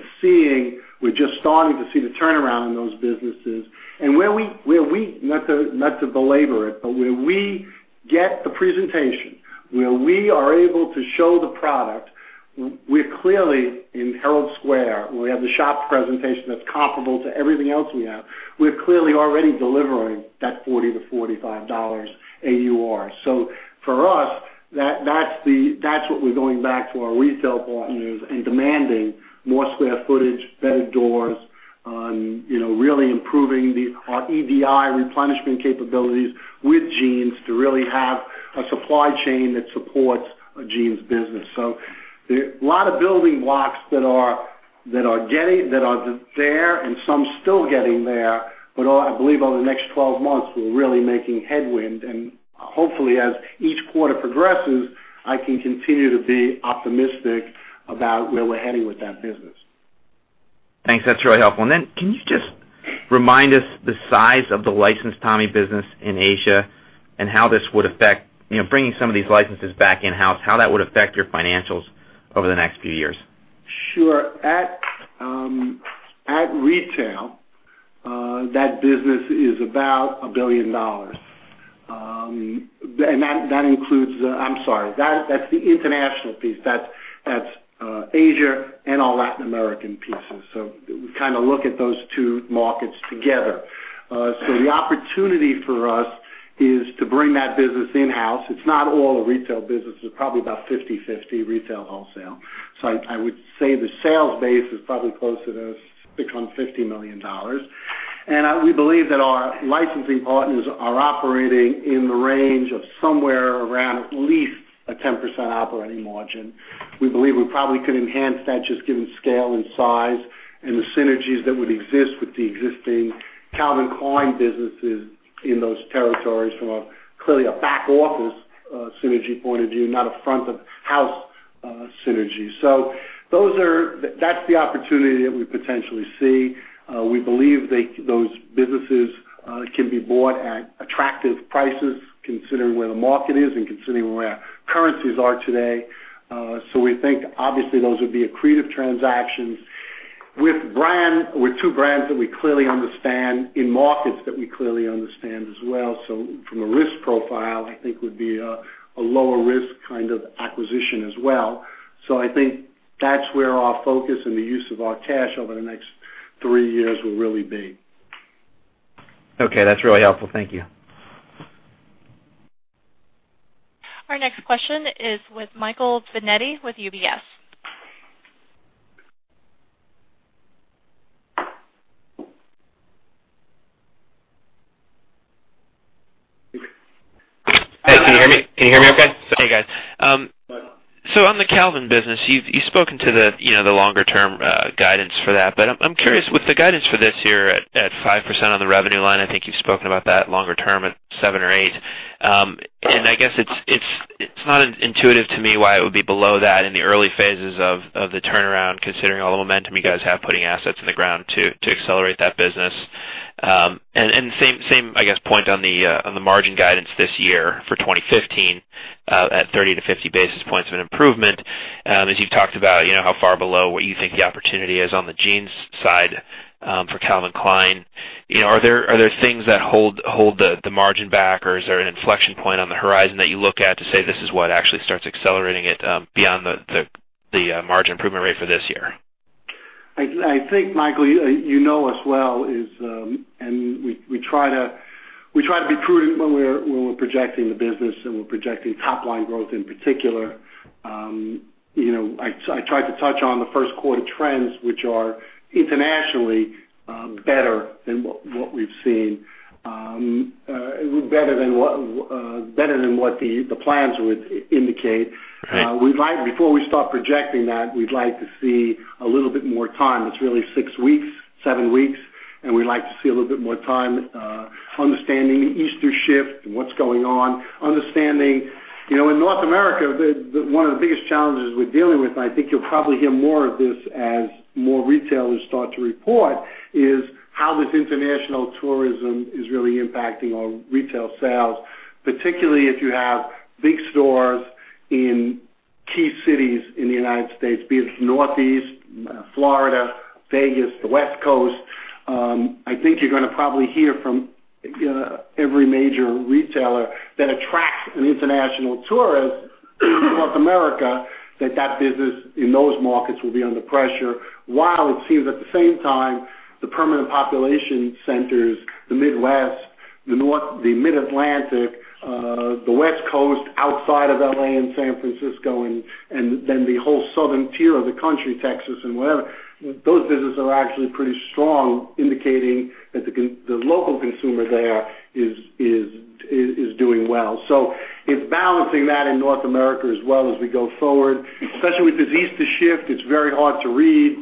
Speaker 2: we're just starting to see the turnaround in those businesses. Not to belabor it, but where we get the presentation, where we are able to show the product, we're clearly in Herald Square, where we have the shop presentation that's comparable to everything else we have. We're clearly already delivering that $40-$45 AUR. For us, that's what we're going back to our retail partners and demanding more square footage, better doors, really improving our EDI replenishment capabilities with jeans to really have a supply chain that supports a jeans business. A lot of building blocks that are there and some still getting there, but I believe over the next 12 months, we're really making headway. Hopefully, as each quarter progresses, I can continue to be optimistic about where we're heading with that business.
Speaker 9: Thanks. That's really helpful. Can you just remind us the size of the licensed Tommy business in Asia and bringing some of these licenses back in-house, how that would affect your financials over the next few years?
Speaker 2: Sure. At retail, that business is about $1 billion. I'm sorry, that's the international piece. That's Asia and all Latin American pieces. We look at those two markets together. The opportunity for us is to bring that business in-house. It's not all a retail business. It's probably about 50/50 retail wholesale. I would say the sales base is probably closer to $650 million. We believe that our licensing partners are operating in the range of somewhere around at least a 10% operating margin. We believe we probably could enhance that just given scale and size and the synergies that would exist with the existing Calvin Klein businesses in those territories from clearly a back-office synergy point of view, not a front-of-house synergy. That's the opportunity that we potentially see. We believe those businesses can be bought at attractive prices considering where the market is and considering where currencies are today. We think obviously those would be accretive transactions with two brands that we clearly understand in markets that we clearly understand as well. From a risk profile, I think would be a lower risk kind of acquisition as well. I think that's where our focus and the use of our cash over the next three years will really be.
Speaker 9: Okay. That's really helpful. Thank you.
Speaker 1: Our next question is with Michael Binetti with UBS.
Speaker 10: Can you hear me? Can you hear me okay? Hey, guys. On the Calvin business, you've spoken to the longer-term guidance for that. I'm curious, with the guidance for this year at 5% on the revenue line, I think you've spoken about that longer term at seven or eight. I guess it's not intuitive to me why it would be below that in the early phases of the turnaround, considering all the momentum you guys have putting assets in the ground to accelerate that business. Same, I guess, point on the margin guidance this year for 2015 at 30 to 50 basis points of an improvement. As you've talked about how far below what you think the opportunity is on the jeans side for Calvin Klein. Are there things that hold the margin back, or is there an inflection point on the horizon that you look at to say this is what actually starts accelerating it beyond the margin improvement rate for this year?
Speaker 2: I think, Michael, you know us well, and we try to be prudent when we're projecting the business, and we're projecting top-line growth in particular. I tried to touch on the first quarter trends, which are internationally better than what we've seen, better than what the plans would indicate.
Speaker 10: Right.
Speaker 2: Before we start projecting that, we'd like to see a little bit more time. It's really six weeks, seven weeks, and we'd like to see a little bit more time understanding Easter shift and what's going on. In North America, one of the biggest challenges we're dealing with, I think you'll probably hear more of this as more retailers start to report, is how this international tourism is really impacting our retail sales. Particularly if you have big stores in key cities in the United States, be it Northeast, Florida, Vegas, the West Coast. I think you're going to probably hear from every major retailer that attracts an international tourist to North America, that that business in those markets will be under pressure. While it seems at the same time the permanent population centers, the Midwest, the Mid-Atlantic, the West Coast outside of L.A. and San Francisco, and then the whole southern tier of the country, Texas and wherever, those businesses are actually pretty strong, indicating that the local consumer there is doing well. It's balancing that in North America as well as we go forward, especially with this Easter shift. It's very hard to read.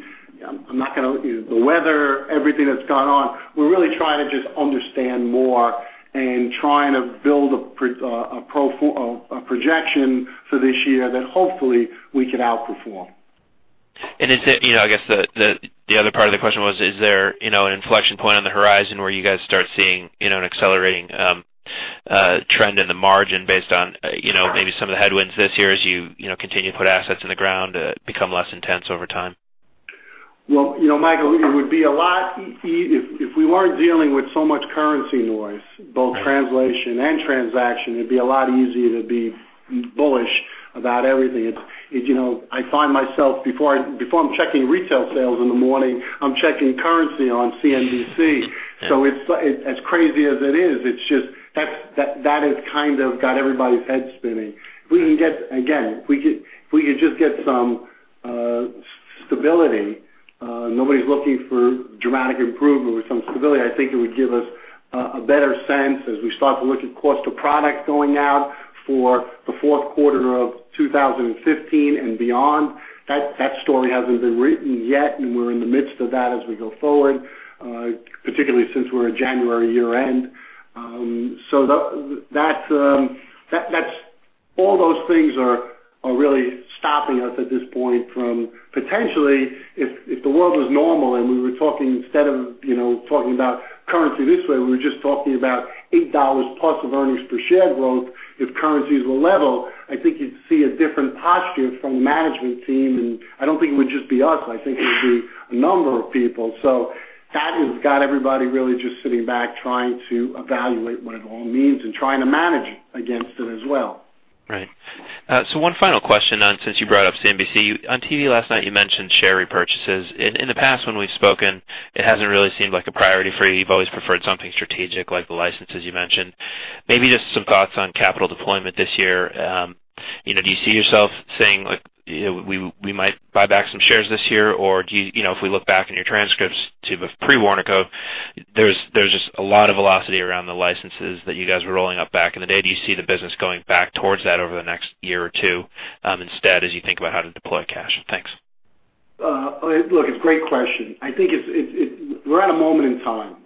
Speaker 2: The weather, everything that's gone on. We're really trying to just understand more and trying to build a projection for this year that hopefully we can outperform.
Speaker 10: I guess the other part of the question was, is there an inflection point on the horizon where you guys start seeing an accelerating trend in the margin based on maybe some of the headwinds this year as you continue to put assets in the ground become less intense over time?
Speaker 2: Well, Michael, if we weren't dealing with so much currency noise, both translation and transaction, it'd be a lot easier to be bullish about everything. I find myself, before I'm checking retail sales in the morning, I'm checking currency on CNBC. As crazy as it is, that has kind of got everybody's head spinning. Again, if we could just get some stability, nobody's looking for dramatic improvement. With some stability, I think it would give us a better sense as we start to look at cost of product going out for the fourth quarter of 2015 and beyond. That story hasn't been written yet, and we're in the midst of that as we go forward, particularly since we're a January year-end. All those things are really stopping us at this point from potentially, if the world was normal and we were talking, instead of talking about currency this way, we were just talking about $8+ of earnings per share growth. If currencies were level, I think you'd see a different posture from the management team. I don't think it would just be us, I think it would be a number of people. That has got everybody really just sitting back trying to evaluate what it all means and trying to manage against it as well.
Speaker 10: Right. One final question then, since you brought up CNBC. On TV last night, you mentioned share repurchases. In the past when we've spoken, it hasn't really seemed like a priority for you. You've always preferred something strategic, like the licenses you mentioned. Maybe just some thoughts on capital deployment this year. Do you see yourself saying, "We might buy back some shares this year"? If we look back on your transcripts to pre-Warnaco, there's just a lot of velocity around the licenses that you guys were rolling up back in the day. Do you see the business going back towards that over the next year or two instead, as you think about how to deploy cash? Thanks.
Speaker 2: Look, it's a great question. I think we're at a moment in time,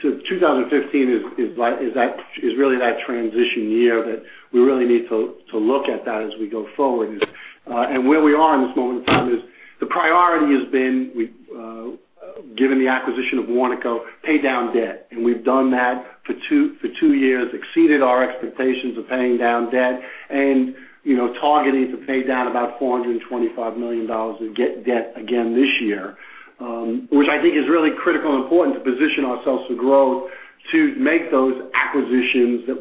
Speaker 2: 2015 is really that transition year that we really need to look at that as we go forward. Where we are in this moment in time is, the priority has been, given the acquisition of Warnaco, pay down debt. We've done that for two years, exceeded our expectations of paying down debt and targeting to pay down about $425 million of debt again this year, which I think is really critical and important to position ourselves for growth to make those acquisitions that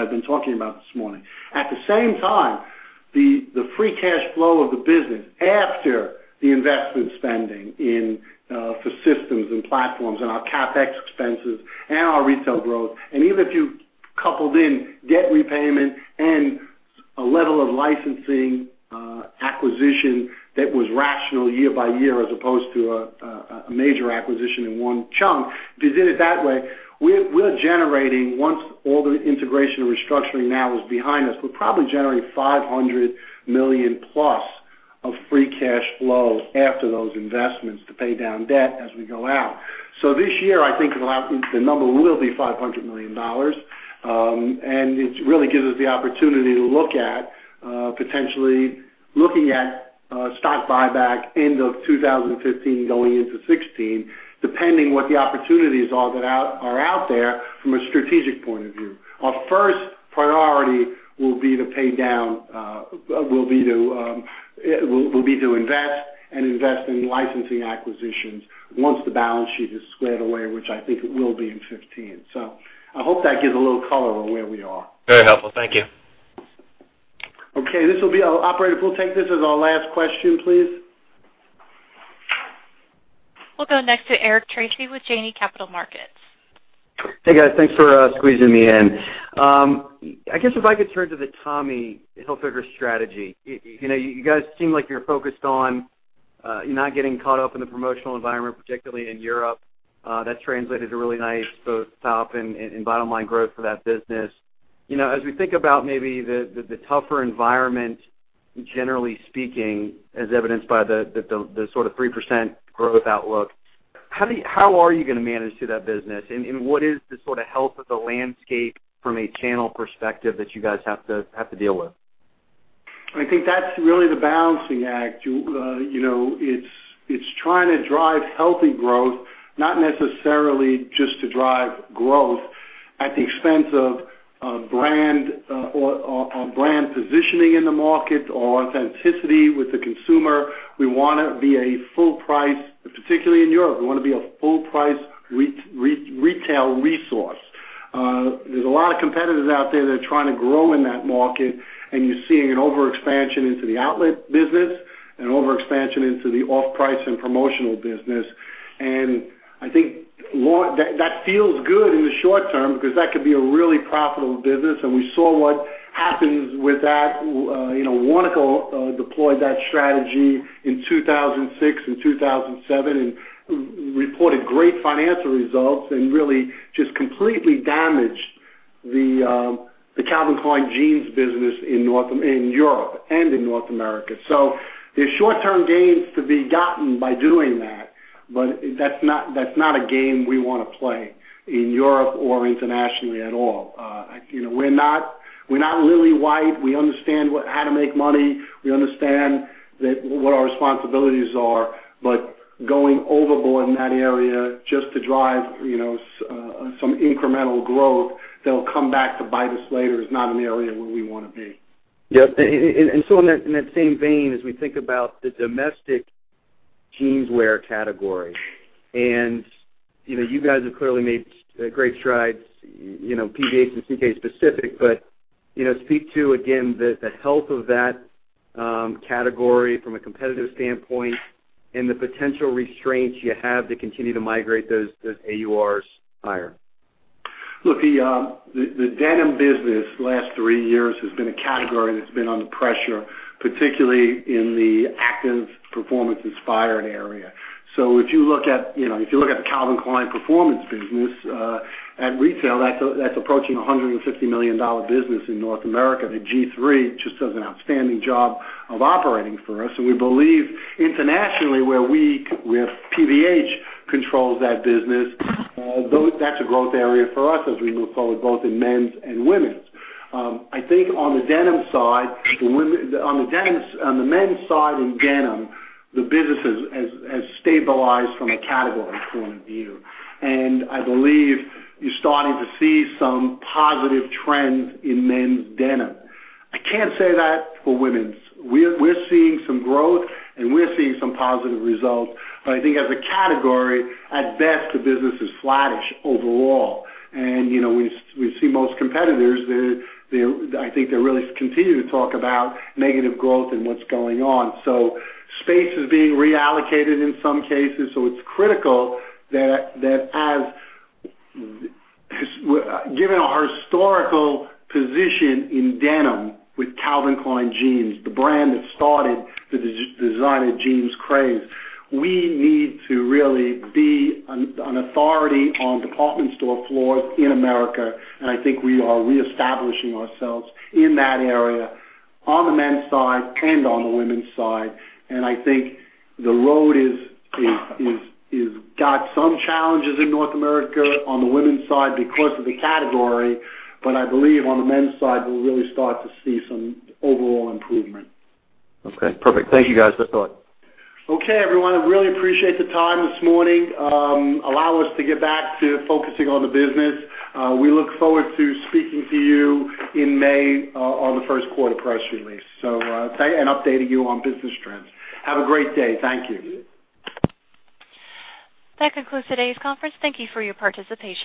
Speaker 2: I've been talking about this morning. At the same time, the free cash flow of the business after the investment spending for systems and platforms, our CapEx expenses, our retail growth, even if you coupled in debt repayment and a level of licensing acquisition that was rational year by year as opposed to a major acquisition in one chunk, if you did it that way, we're generating, once all the integration and restructuring now is behind us, we're probably generating $500 million+ of free cash flow after those investments to pay down debt as we go out. This year, I think the number will be $500 million. It really gives us the opportunity to look at potentially looking at stock buyback end of 2015 going into 2016, depending what the opportunities are that are out there from a strategic point of view. Our first priority will be to invest and invest in licensing acquisitions once the balance sheet is squared away, which I think it will be in 2015. I hope that gives a little color on where we are.
Speaker 10: Very helpful. Thank you.
Speaker 2: Operator, we'll take this as our last question, please.
Speaker 1: We'll go next to Eric Tracy with Janney Montgomery Scott.
Speaker 11: Hey, guys. Thanks for squeezing me in. I guess if I could turn to the Tommy Hilfiger strategy. You guys seem like you're focused on not getting caught up in the promotional environment, particularly in Europe. That's translated to really nice both top and bottom line growth for that business. As we think about maybe the tougher environment, generally speaking, as evidenced by the sort of 3% growth outlook, how are you going to manage through that business? What is the sort of health of the landscape from a channel perspective that you guys have to deal with?
Speaker 2: I think that's really the balancing act. It's trying to drive healthy growth, not necessarily just to drive growth at the expense of brand positioning in the market or authenticity with the consumer. We want to be a full price, particularly in Europe. We want to be a full price retail resource. There's a lot of competitors out there that are trying to grow in that market, you're seeing an over-expansion into the outlet business and over-expansion into the off-price and promotional business. I think that feels good in the short term because that could be a really profitable business, and we saw what happens with that. Warnaco deployed that strategy in 2006 and 2007 and reported great financial results and really just completely damaged the Calvin Klein Jeans business in Europe and in North America. There's short-term gains to be gotten by doing that, but that's not a game we want to play in Europe or internationally at all. We're not lily white. We understand how to make money. We understand what our responsibilities are. Going overboard in that area just to drive some incremental growth that'll come back to bite us later is not an area where we want to be.
Speaker 11: Yep. In that same vein, as we think about the domestic jeans wear category, and you guys have clearly made great strides, PVH and CK specific, but speak to, again, the health of that category from a competitive standpoint and the potential restraints you have to continue to migrate those AURs higher.
Speaker 2: Look, the denim business the last three years has been a category that's been under pressure, particularly in the active performance inspired area. If you look at the Calvin Klein performance business at retail, that's approaching $150 million business in North America. The G-III just does an outstanding job of operating for us. We believe internationally where PVH controls that business, that's a growth area for us as we move forward, both in men's and women's. I think on the men's side in denim, the business has stabilized from a category point of view. I believe you're starting to see some positive trends in men's denim. I can't say that for women's. We're seeing some growth and we're seeing some positive results. I think as a category, at best, the business is flattish overall. We see most competitors, I think they really continue to talk about negative growth and what's going on. Space is being reallocated in some cases, so it's critical that given our historical position in denim with Calvin Klein Jeans, the brand that started the designer jeans craze, we need to really be an authority on department store floors in America. I think we are reestablishing ourselves in that area on the men's side and on the women's side. I think the road has got some challenges in North America on the women's side because of the category, I believe on the men's side, we'll really start to see some overall improvement.
Speaker 11: Okay, perfect. Thank you, guys. That's all.
Speaker 2: Okay, everyone. I really appreciate the time this morning. Allow us to get back to focusing on the business. We look forward to speaking to you in May on the first quarter press release and updating you on business trends. Have a great day. Thank you.
Speaker 1: That concludes today's conference. Thank you for your participation